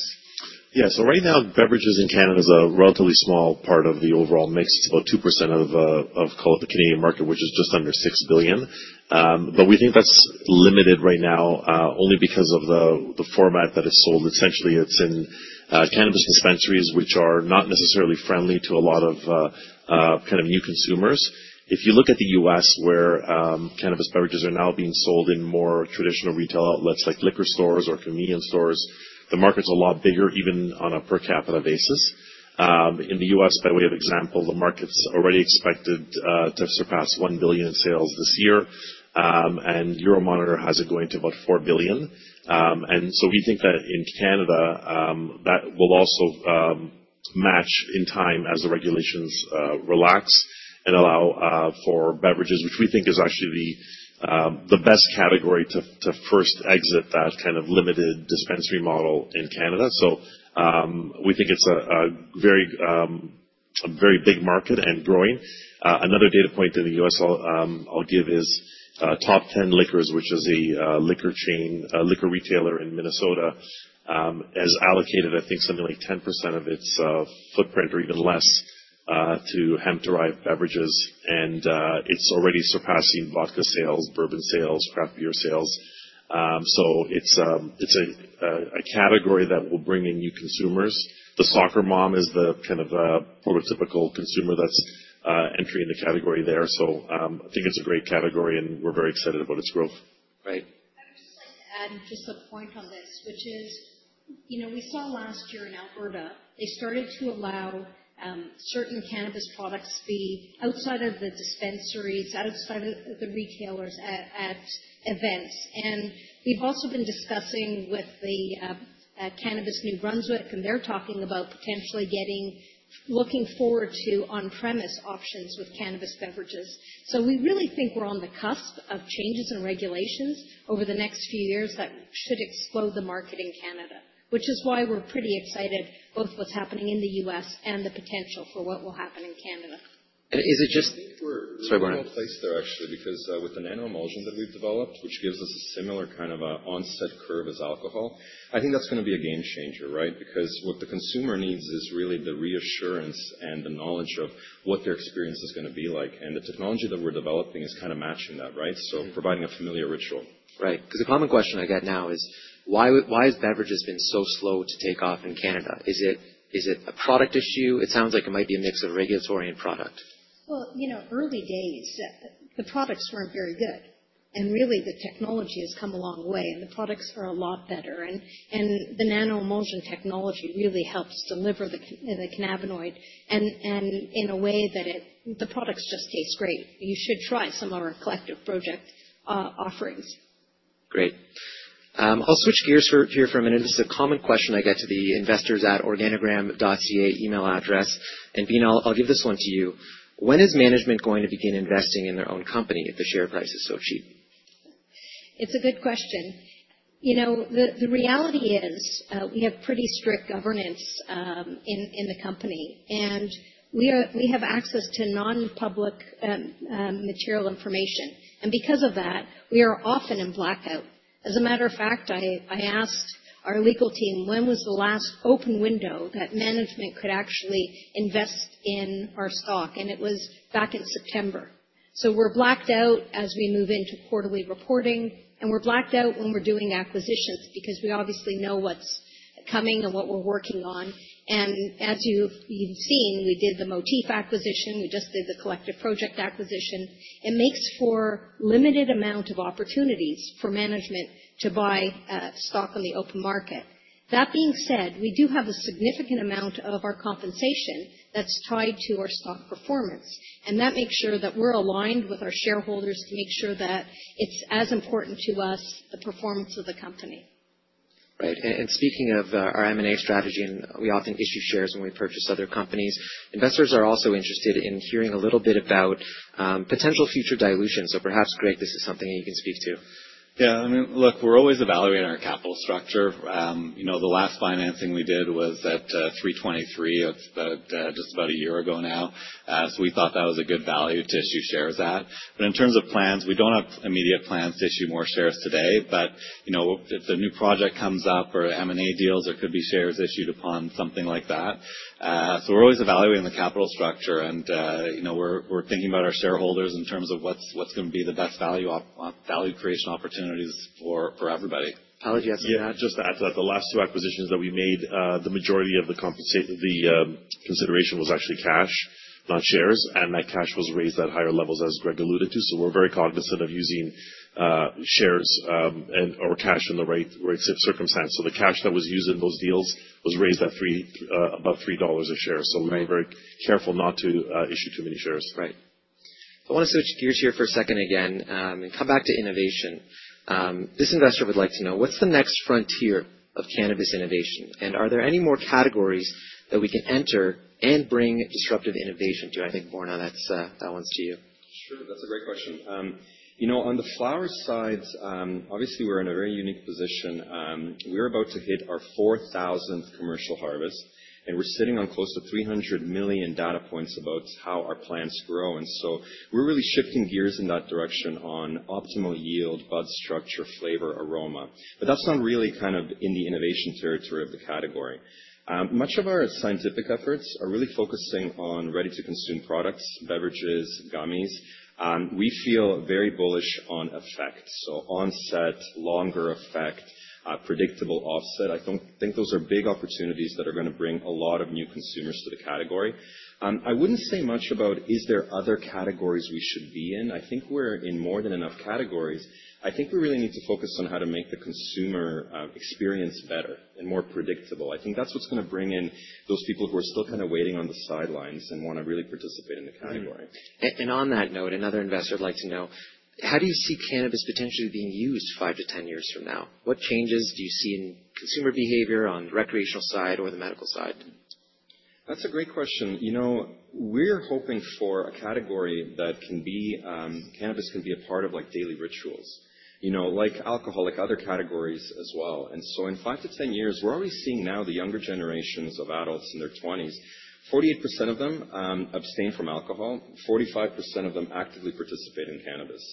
Yeah. Right now, beverages in Canada is a relatively small part of the overall mix. It's about 2% of the Canadian market, which is just under 6 billion. We think that's limited right now only because of the format that it's sold. Essentially, it's in cannabis dispensaries, which are not necessarily friendly to a lot of kind of new consumers. If you look at the U.S., where cannabis beverages are now being sold in more traditional retail outlets like liquor stores or convenience stores, the market's a lot bigger, even on a per capita basis. In the U.S., by way of example, the market's already expected to surpass 1 billion in sales this year. Euromonitor has it going to about 4 billion. We think that in Canada, that will also match in time as the regulations relax and allow for beverages, which we think is actually the best category to first exit that kind of limited dispensary model in Canada. We think it's a very big market and growing. Another data point in the U.S. I'll give is Top 10 Liquors, which is a liquor retailer in Minnesota, has allocated, I think, something like 10% of its footprint or even less to hemp-derived beverages. It's already surpassing vodka sales, bourbon sales, craft beer sales. It's a category that will bring in new consumers. The soccer mom is the kind of prototypical consumer that's entering the category there. I think it's a great category, and we're very excited about its growth. Right. I would just like to add just a point on this, which is we saw last year in Alberta, they started to allow certain cannabis products to be outside of the dispensaries, outside of the retailers at events. We have also been discussing with the cannabis new runs with, and they are talking about potentially looking forward to on-premise options with cannabis beverages. We really think we are on the cusp of changes in regulations over the next few years that should explode the market in Canada, which is why we are pretty excited about what is happening in the U.S. and the potential for what will happen in Canada. Is it just—sorry, Borna. I think we are well placed there, actually, because with the nano-emulsion that we have developed, which gives us a similar kind of onset curve as alcohol, I think that is going to be a game changer, right? Because what the consumer needs is really the reassurance and the knowledge of what their experience is going to be like. The technology that we're developing is kind of matching that, right? Providing a familiar ritual. Right. The common question I get now is, why has beverages been so slow to take off in Canada? Is it a product issue? It sounds like it might be a mix of regulatory and product. You know, early days, the products were not very good. The technology has come a long way, and the products are a lot better. The nano-emulsion technology really helps deliver the cannabinoid in a way that the products just taste great. You should try some of our Collective Project offerings. Great. I'll switch gears here for a minute. This is a common question I get to the investors@organigram.ca email address. Beena, I'll give this one to you. When is management going to begin investing in their own company if the share price is so cheap? It's a good question. You know, the reality is we have pretty strict governance in the company. We have access to non-public material information. Because of that, we are often in blackout. As a matter of fact, I asked our legal team, when was the last open window that management could actually invest in our stock? It was back in September. We are blacked out as we move into quarterly reporting. We are blacked out when we are doing acquisitions because we obviously know what's coming and what we are working on. As you've seen, we did the Motif acquisition. We just did the Collective Project acquisition. It makes for a limited amount of opportunities for management to buy stock on the open market. That being said, we do have a significant amount of our compensation that's tied to our stock performance. That makes sure that we're aligned with our shareholders to make sure that it's as important to us, the performance of the company. Right. Speaking of our M&A strategy, and we often issue shares when we purchase other companies, investors are also interested in hearing a little bit about potential future dilution. Perhaps, Greg, this is something that you can speak to. Yeah. I mean, look, we're always evaluating our capital structure. The last financing we did was at 3.23, just about a year ago now. We thought that was a good value to issue shares at. In terms of plans, we do not have immediate plans to issue more shares today. If a new project comes up or M&A deals, there could be shares issued upon something like that. We are always evaluating the capital structure. We are thinking about our shareholders in terms of what is going to be the best value creation opportunities for everybody. Paolo, do you have something to add? Just to add to that, the last two acquisitions that we made, the majority of the consideration was actually cash, not shares. That cash was raised at higher levels, as Greg alluded to. We are very cognizant of using shares or cash in the right circumstance. The cash that was used in those deals was raised at about $3 a share. We are very careful not to issue too many shares. Right. I want to switch gears here for a second again and come back to innovation. This investor would like to know, what's the next frontier of cannabis innovation? Are there any more categories that we can enter and bring disruptive innovation to? I think, Borna, that one's to you. Sure. That's a great question. You know, on the flower side, obviously, we're in a very unique position. We're about to hit our 4,000th commercial harvest. We're sitting on close to 300 million data points about how our plants grow. We're really shifting gears in that direction on optimal yield, bud structure, flavor, aroma. That's not really kind of in the innovation territory of the category. Much of our scientific efforts are really focusing on ready-to-consume products, beverages, gummies. We feel very bullish on effect. Onset, longer effect, predictable offset. I think those are big opportunities that are going to bring a lot of new consumers to the category. I would not say much about, is there other categories we should be in? I think we are in more than enough categories. I think we really need to focus on how to make the consumer experience better and more predictable. I think that is what is going to bring in those people who are still kind of waiting on the sidelines and want to really participate in the category. On that note, another investor would like to know, how do you see cannabis potentially being used 5 to 10 years from now? What changes do you see in consumer behavior on the recreational side or the medical side? That is a great question. You know, we're hoping for a category that cannabis can be a part of daily rituals, like alcohol, like other categories as well. In 5 to 10 years, we're already seeing now the younger generations of adults in their 20s, 48% of them abstain from alcohol, 45% of them actively participate in cannabis.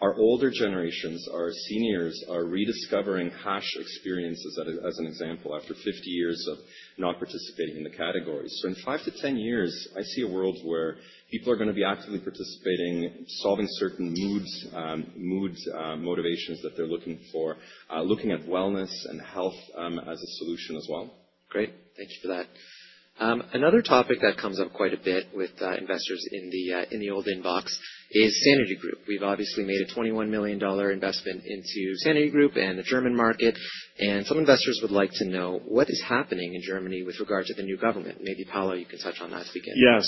Our older generations, our seniors, are rediscovering hash experiences, as an example, after 50 years of not participating in the categories. In 5 to 10 years, I see a world where people are going to be actively participating, solving certain moods, mood motivations that they're looking for, looking at wellness and health as a solution as well. Great. Thank you for that. Another topic that comes up quite a bit with investors in the old inbox is Sanity Group. We've obviously made a $21 million investment into Sanity Group and the German market. Some investors would like to know what is happening in Germany with regard to the new government. Maybe, Paolo, you can touch on that to begin. Yeah.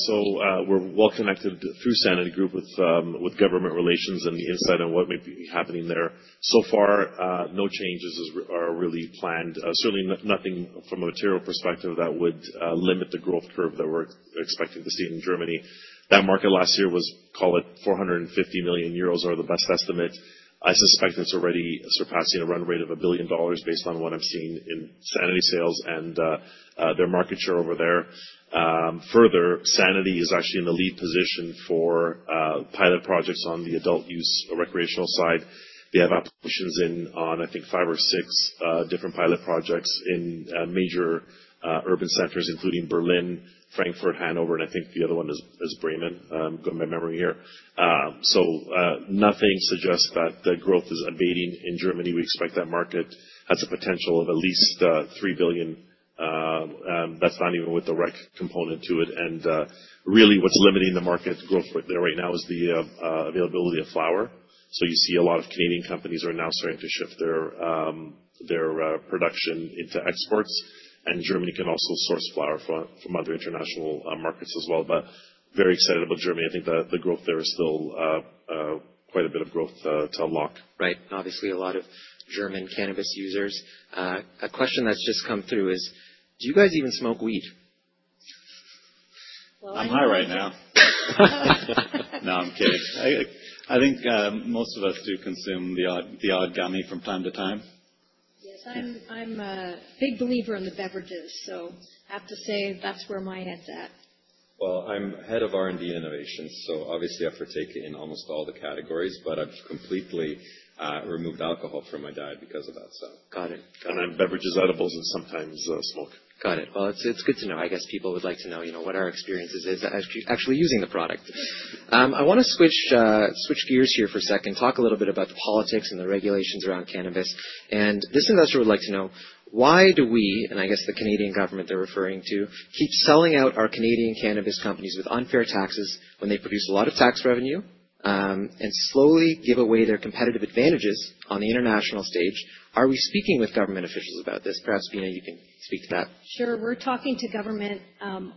We are well connected through Sanity Group with government relations and the insight on what may be happening there. So far, no changes are really planned. Certainly, nothing from a material perspective that would limit the growth curve that we are expecting to see in Germany. That market last year was, call it, 450 million euros or the best estimate. I suspect it is already surpassing a run rate of $1 billion based on what I am seeing in Sanity sales and their market share over there. Further, Sanity is actually in the lead position for pilot projects on the adult use recreational side. They have operations in, I think, five or six different pilot projects in major urban centers, including Berlin, Frankfurt, Hanover, and I think the other one is Bremen from my memory here. Nothing suggests that the growth is abating in Germany. We expect that market has a potential of at least 3 billion. That's not even with the rec component to it. Really, what's limiting the market growth right now is the availability of flower. You see a lot of Canadian companies are now starting to shift their production into exports. Germany can also source flower from other international markets as well. Very excited about Germany. I think the growth there is still quite a bit of growth to unlock. Right. Obviously, a lot of German cannabis users. A question that's just come through is, do you guys even smoke weed? I'm high right now. No, I'm kidding. I think most of us do consume the odd gummy from time to time. Yes. I'm a big believer in the beverages. I have to say that's where my head's at. I'm head of R&D and innovation, so obviously, I partake in almost all the categories. I've completely removed alcohol from my diet because of that. Got it. I'm beverages, edibles, and sometimes smoke. Got it. It's good to know. I guess people would like to know what our experience is actually using the product. I want to switch gears here for a second, talk a little bit about the politics and the regulations around cannabis. This investor would like to know, why do we, and I guess the Canadian government they're referring to, keep selling out our Canadian cannabis companies with unfair taxes when they produce a lot of tax revenue and slowly give away their competitive advantages on the international stage? Are we speaking with government officials about this? Perhaps, Beena, you can speak to that. Sure. We're talking to government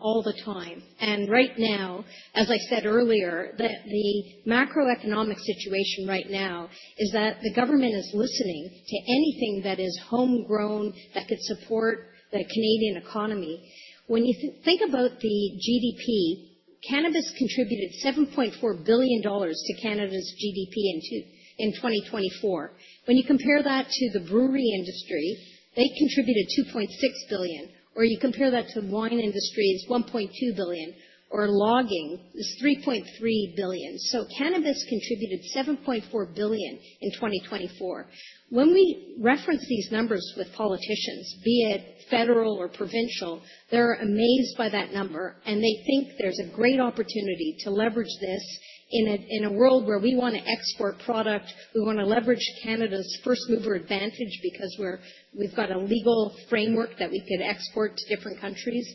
all the time. Right now, as I said earlier, the macroeconomic situation right now is that the government is listening to anything that is homegrown that could support the Canadian economy. When you think about the GDP, cannabis contributed $7.4 billion to Canada's GDP in 2024. When you compare that to the brewery industry, they contributed 2.6 billion. Or you compare that to the wine industry, it's 1.2 billion. Or logging, it's 3.3 billion. Cannabis contributed 7.4 billion in 2024. When we reference these numbers with politicians, be it federal or provincial, they're amazed by that number. They think there's a great opportunity to leverage this in a world where we want to export product. We want to leverage Canada's first mover advantage because we've got a legal framework that we could export to different countries.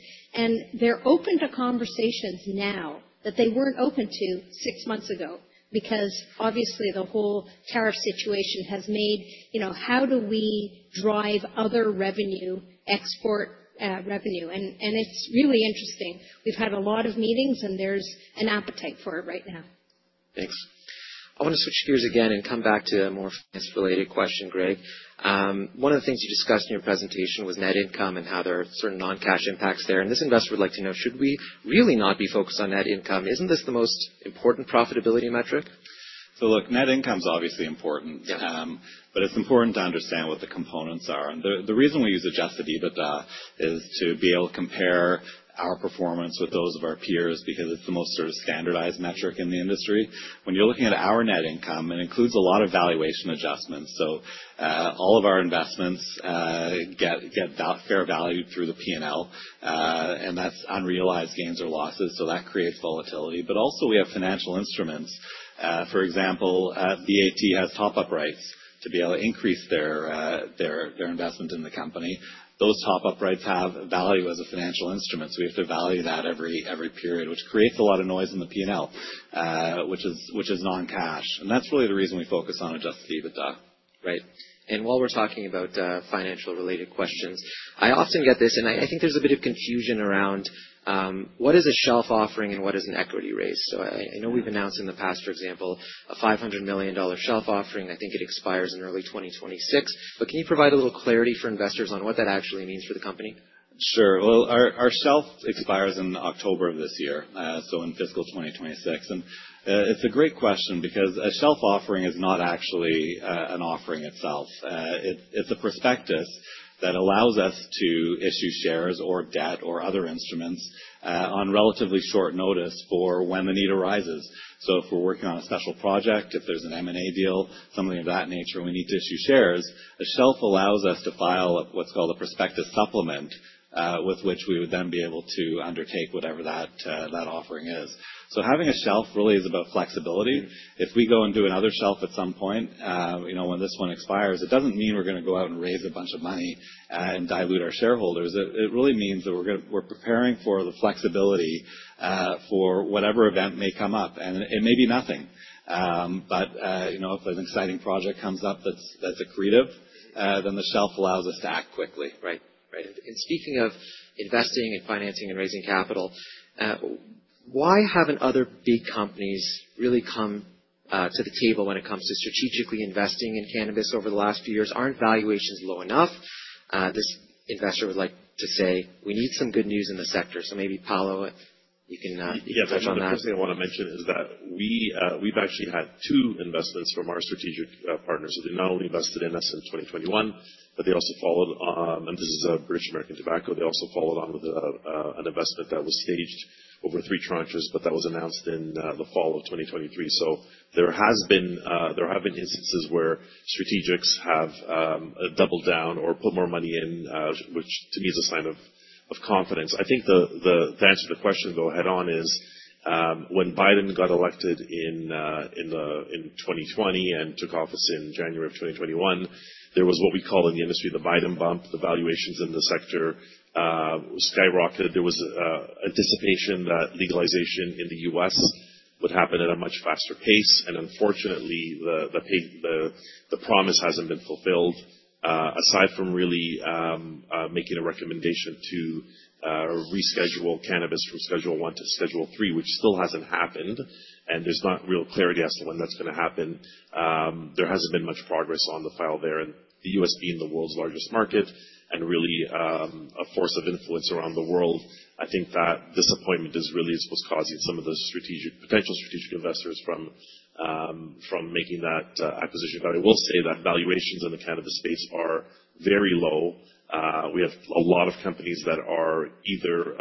They're open to conversations now that they weren't open to six months ago because, obviously, the whole tariff situation has made, how do we drive other revenue export revenue? It's really interesting. We've had a lot of meetings, and there's an appetite for it right now. Thanks. I want to switch gears again and come back to a more finance related question, Greg. One of the things you discussed in your presentation was net income and how there are certain non-cash impacts there. This investor would like to know, should we really not be focused on net income? Isn't this the most important profitability metric? Net income is obviously important. It is important to understand what the components are. The reason we use adjusted EBITDA is to be able to compare our performance with those of our peers because it is the most sort of standardized metric in the industry. When you are looking at our net income, it includes a lot of valuation adjustments. All of our investments get fair value through the P&L. That is unrealized gains or losses. That creates volatility. Also, we have financial instruments. For example, BAT has top-up rights to be able to increase their investment in the company. Those top-up rights have value as a financial instrument. We have to value that every period, which creates a lot of noise in the P&L, which is non-cash. That is really the reason we focus on adjusted EBITDA. Right. While we are talking about financial-related questions, I often get this, and I think there is a bit of confusion around what is a shelf offering and what is an equity raise. I know we have announced in the past, for example, a CAD $500 million shelf offering. I think it expires in early 2026. Can you provide a little clarity for investors on what that actually means for the company? Sure. Our shelf expires in October of this year, so in fiscal 2026. It is a great question because a shelf offering is not actually an offering itself. It's a prospectus that allows us to issue shares or debt or other instruments on relatively short notice for when the need arises. If we're working on a special project, if there's an M&A deal, something of that nature, and we need to issue shares, a shelf allows us to file what's called a prospectus supplement, with which we would then be able to undertake whatever that offering is. Having a shelf really is about flexibility. If we go and do another shelf at some point when this one expires, it doesn't mean we're going to go out and raise a bunch of money and dilute our shareholders. It really means that we're preparing for the flexibility for whatever event may come up. It may be nothing. If an exciting project comes up that's accretive, then the shelf allows us to act quickly. Right. Speaking of investing and financing and raising capital, why haven't other big companies really come to the table when it comes to strategically investing in cannabis over the last few years? Aren't valuations low enough? This investor would like to say, we need some good news in the sector. Maybe, Paolo, you can touch on that. Yeah. The first thing I want to mention is that we've actually had two investments from our strategic partners. They not only invested in us in 2021, but they also followed on, and this is British American Tobacco. They also followed on with an investment that was staged over three tranches, but that was announced in the fall of 2023. There have been instances where strategics have doubled down or put more money in, which to me is a sign of confidence. I think the answer to the question, though, head-on is when Biden got elected in 2020 and took office in January of 2021, there was what we call in the industry the Biden bump. The valuations in the sector skyrocketed. There was anticipation that legalization in the U.S. would happen at a much faster pace. Unfortunately, the promise hasn't been fulfilled, aside from really making a recommendation to reschedule cannabis from Schedule I to Schedule III, which still hasn't happened. There is not real clarity as to when that's going to happen. There hasn't been much progress on the file there. The U.S. being the world's largest market and really a force of influence around the world, I think that disappointment is really what's causing some of those potential strategic investors from making that acquisition value. I will say that valuations in the cannabis space are very low. We have a lot of companies that are either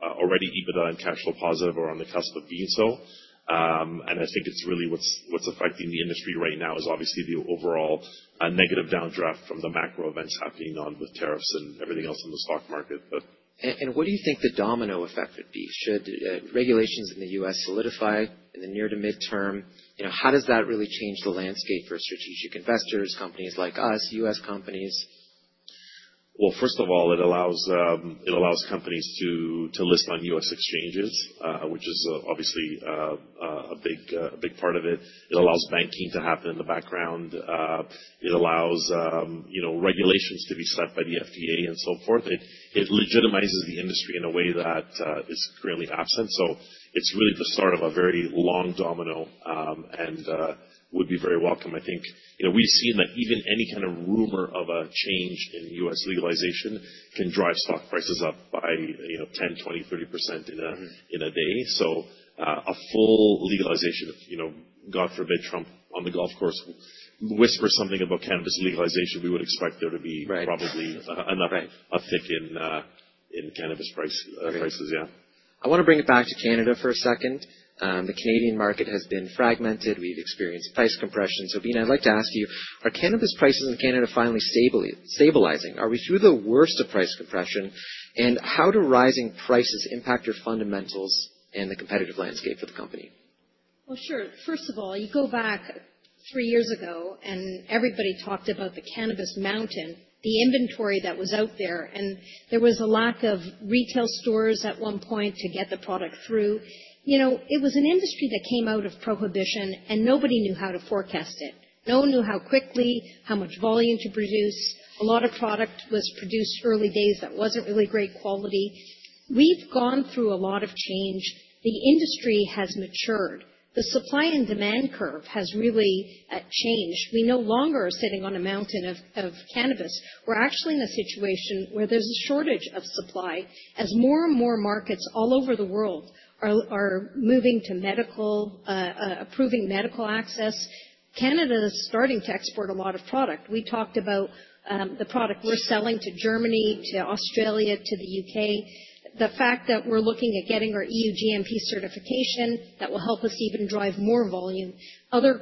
already EBITDA and cash flow positive or on the cusp of being so. I think it's really what's affecting the industry right now is obviously the overall negative downdraft from the macro events happening on with tariffs and everything else in the stock market. What do you think the domino effect would be? Should regulations in the U.S. solidify in the near to midterm, how does that really change the landscape for strategic investors, companies like us, U.S. companies? First of all, it allows companies to list on U.S. exchanges, which is obviously a big part of it. It allows banking to happen in the background. It allows regulations to be set by the FDA and so forth. It legitimizes the industry in a way that is currently absent. It's really the start of a very long domino and would be very welcome. I think we've seen that even any kind of rumor of a change in U.S. legalization can drive stock prices up by 10%, 20%, 30% in a day. A full legalization, God forbid Trump on the golf course whispers something about cannabis legalization, we would expect there to be probably enough a thick in cannabis prices. I want to bring it back to Canada for a second. The Canadian market has been fragmented. We've experienced price compression. Beena, I'd like to ask you, are cannabis prices in Canada finally stabilizing? Are we through the worst of price compression? And how do rising prices impact your fundamentals and the competitive landscape for the company? Sure. First of all, you go back three years ago, and everybody talked about the cannabis mountain, the inventory that was out there. There was a lack of retail stores at one point to get the product through. It was an industry that came out of prohibition, and nobody knew how to forecast it. No one knew how quickly, how much volume to produce. A lot of product was produced early days that was not really great quality. We have gone through a lot of change. The industry has matured. The supply and demand curve has really changed. We no longer are sitting on a mountain of cannabis. We are actually in a situation where there is a shortage of supply as more and more markets all over the world are moving to medical, approving medical access. Canada is starting to export a lot of product. We talked about the product we're selling to Germany, to Australia, to the U.K. The fact that we're looking at getting our EU GMP certification, that will help us even drive more volume. Other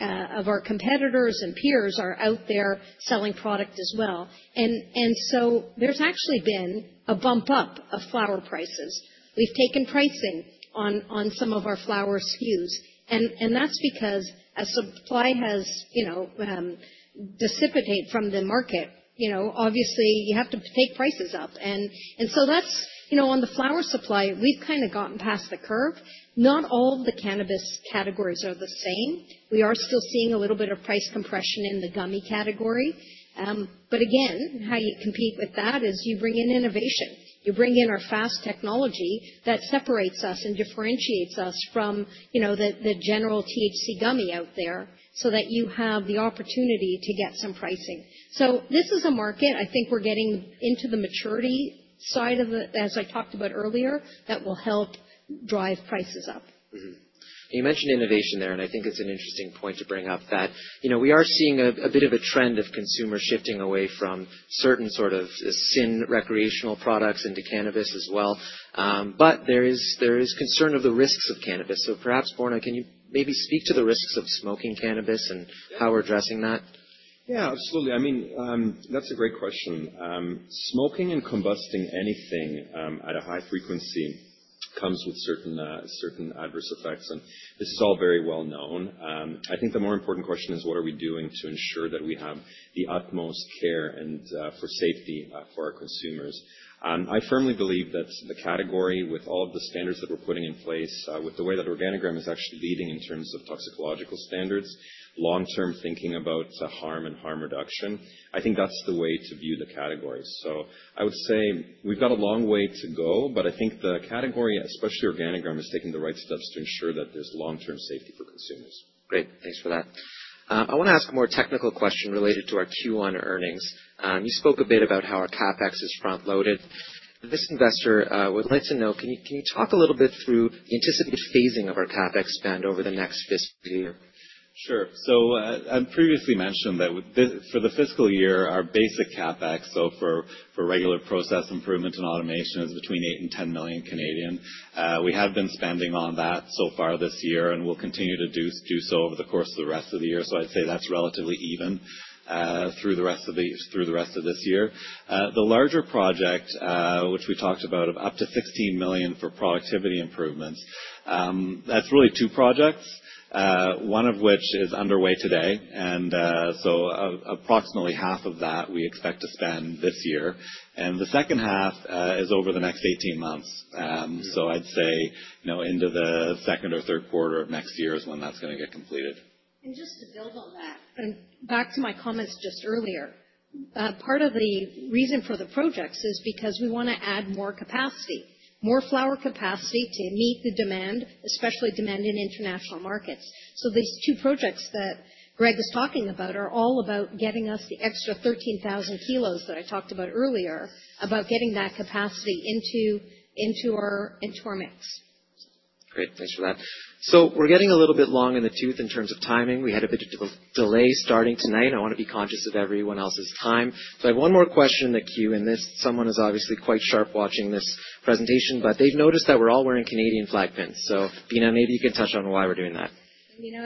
of our competitors and peers are out there selling product as well. There has actually been a bump up of flower prices. We've taken pricing on some of our flower SKUs. That is because as supply has dissipated from the market, obviously, you have to take prices up. On the flower supply, we've kind of gotten past the curve. Not all of the cannabis categories are the same. We are still seeing a little bit of price compression in the gummy category. Again, how you compete with that is you bring in innovation. You bring in our FAST technology that separates us and differentiates us from the general THC gummy out there so that you have the opportunity to get some pricing. This is a market I think we're getting into the maturity side of it, as I talked about earlier, that will help drive prices up. You mentioned innovation there, and I think it's an interesting point to bring up that we are seeing a bit of a trend of consumers shifting away from certain sort of sin recreational products into cannabis as well. There is concern of the risks of cannabis. Perhaps, Borna, can you maybe speak to the risks of smoking cannabis and how we're addressing that? Yeah, absolutely. I mean, that's a great question. Smoking and combusting anything at a high frequency comes with certain adverse effects. This is all very well known. I think the more important question is, what are we doing to ensure that we have the utmost care and for safety for our consumers? I firmly believe that the category, with all of the standards that we're putting in place, with the way that Organigram is actually leading in terms of toxicological standards, long-term thinking about harm and harm reduction, I think that's the way to view the category. I would say we've got a long way to go, but I think the category, especially Organigram, is taking the right steps to ensure that there's long-term safety for consumers. Great. Thanks for that. I want to ask a more technical question related to our Q1 earnings. You spoke a bit about how our CapEx is front-loaded. This investor would like to know, can you talk a little bit through the anticipated phasing of our CapEx spend over the next fiscal year? Sure. I previously mentioned that for the fiscal year, our basic CapEx, for regular process improvement and automation, is between 8 and 10 million. We have been spending on that so far this year and will continue to do so over the course of the rest of the year. I would say that is relatively even through the rest of this year. The larger project, which we talked about, of up to 16 million for productivity improvements, is really two projects, one of which is underway today. Approximately half of that we expect to spend this year. The second half is over the next 18 months. I'd say into the second or third quarter of next year is when that's going to get completed. Just to build on that, back to my comments just earlier, part of the reason for the projects is because we want to add more capacity, more flower capacity to meet the demand, especially demand in international markets. These two projects that Greg was talking about are all about getting us the extra 13,000 kilos that I talked about earlier, about getting that capacity into our mix. Great. Thanks for that. We're getting a little bit long in the tooth in terms of timing. We had a bit of delay starting tonight. I want to be conscious of everyone else's time. I have one more question in the queue. Someone is obviously quite sharp watching this presentation, but they've noticed that we're all wearing Canadian flag pins. Beena, maybe you can touch on why we're doing that.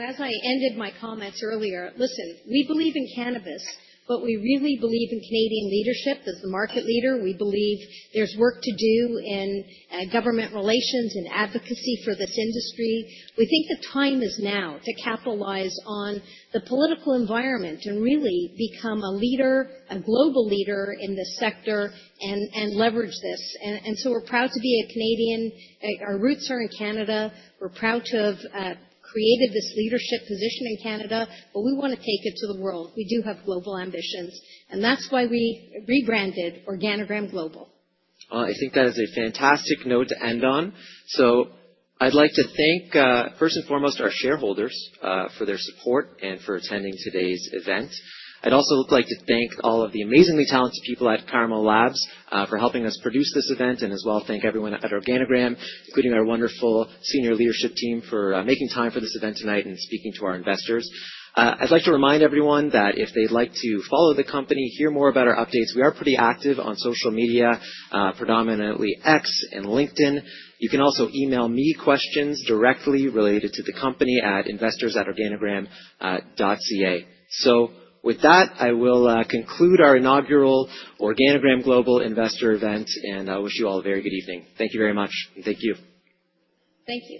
As I ended my comments earlier, listen, we believe in cannabis, but we really believe in Canadian leadership as the market leader. We believe there's work to do in government relations and advocacy for this industry. We think the time is now to capitalize on the political environment and really become a leader, a global leader in this sector and leverage this. We are proud to be Canadian. Our roots are in Canada. We're proud to have created this leadership position in Canada, but we want to take it to the world. We do have global ambitions. That is why we rebranded Organigram Global. I think that is a fantastic note to end on. I'd like to thank, first and foremost, our shareholders for their support and for attending today's event. I'd also like to thank all of the amazingly talented people at Karma Labs for helping us produce this event and as well thank everyone at Organigram, including our wonderful senior leadership team for making time for this event tonight and speaking to our investors. I'd like to remind everyone that if they'd like to follow the company, hear more about our updates, we are pretty active on social media, predominantly X and LinkedIn. You can also email me questions directly related to the company at investors@organigram.ca. With that, I will conclude our inaugural Organigram Global Investor Event, and I wish you all a very good evening. Thank you very much. Thank you. Thank you.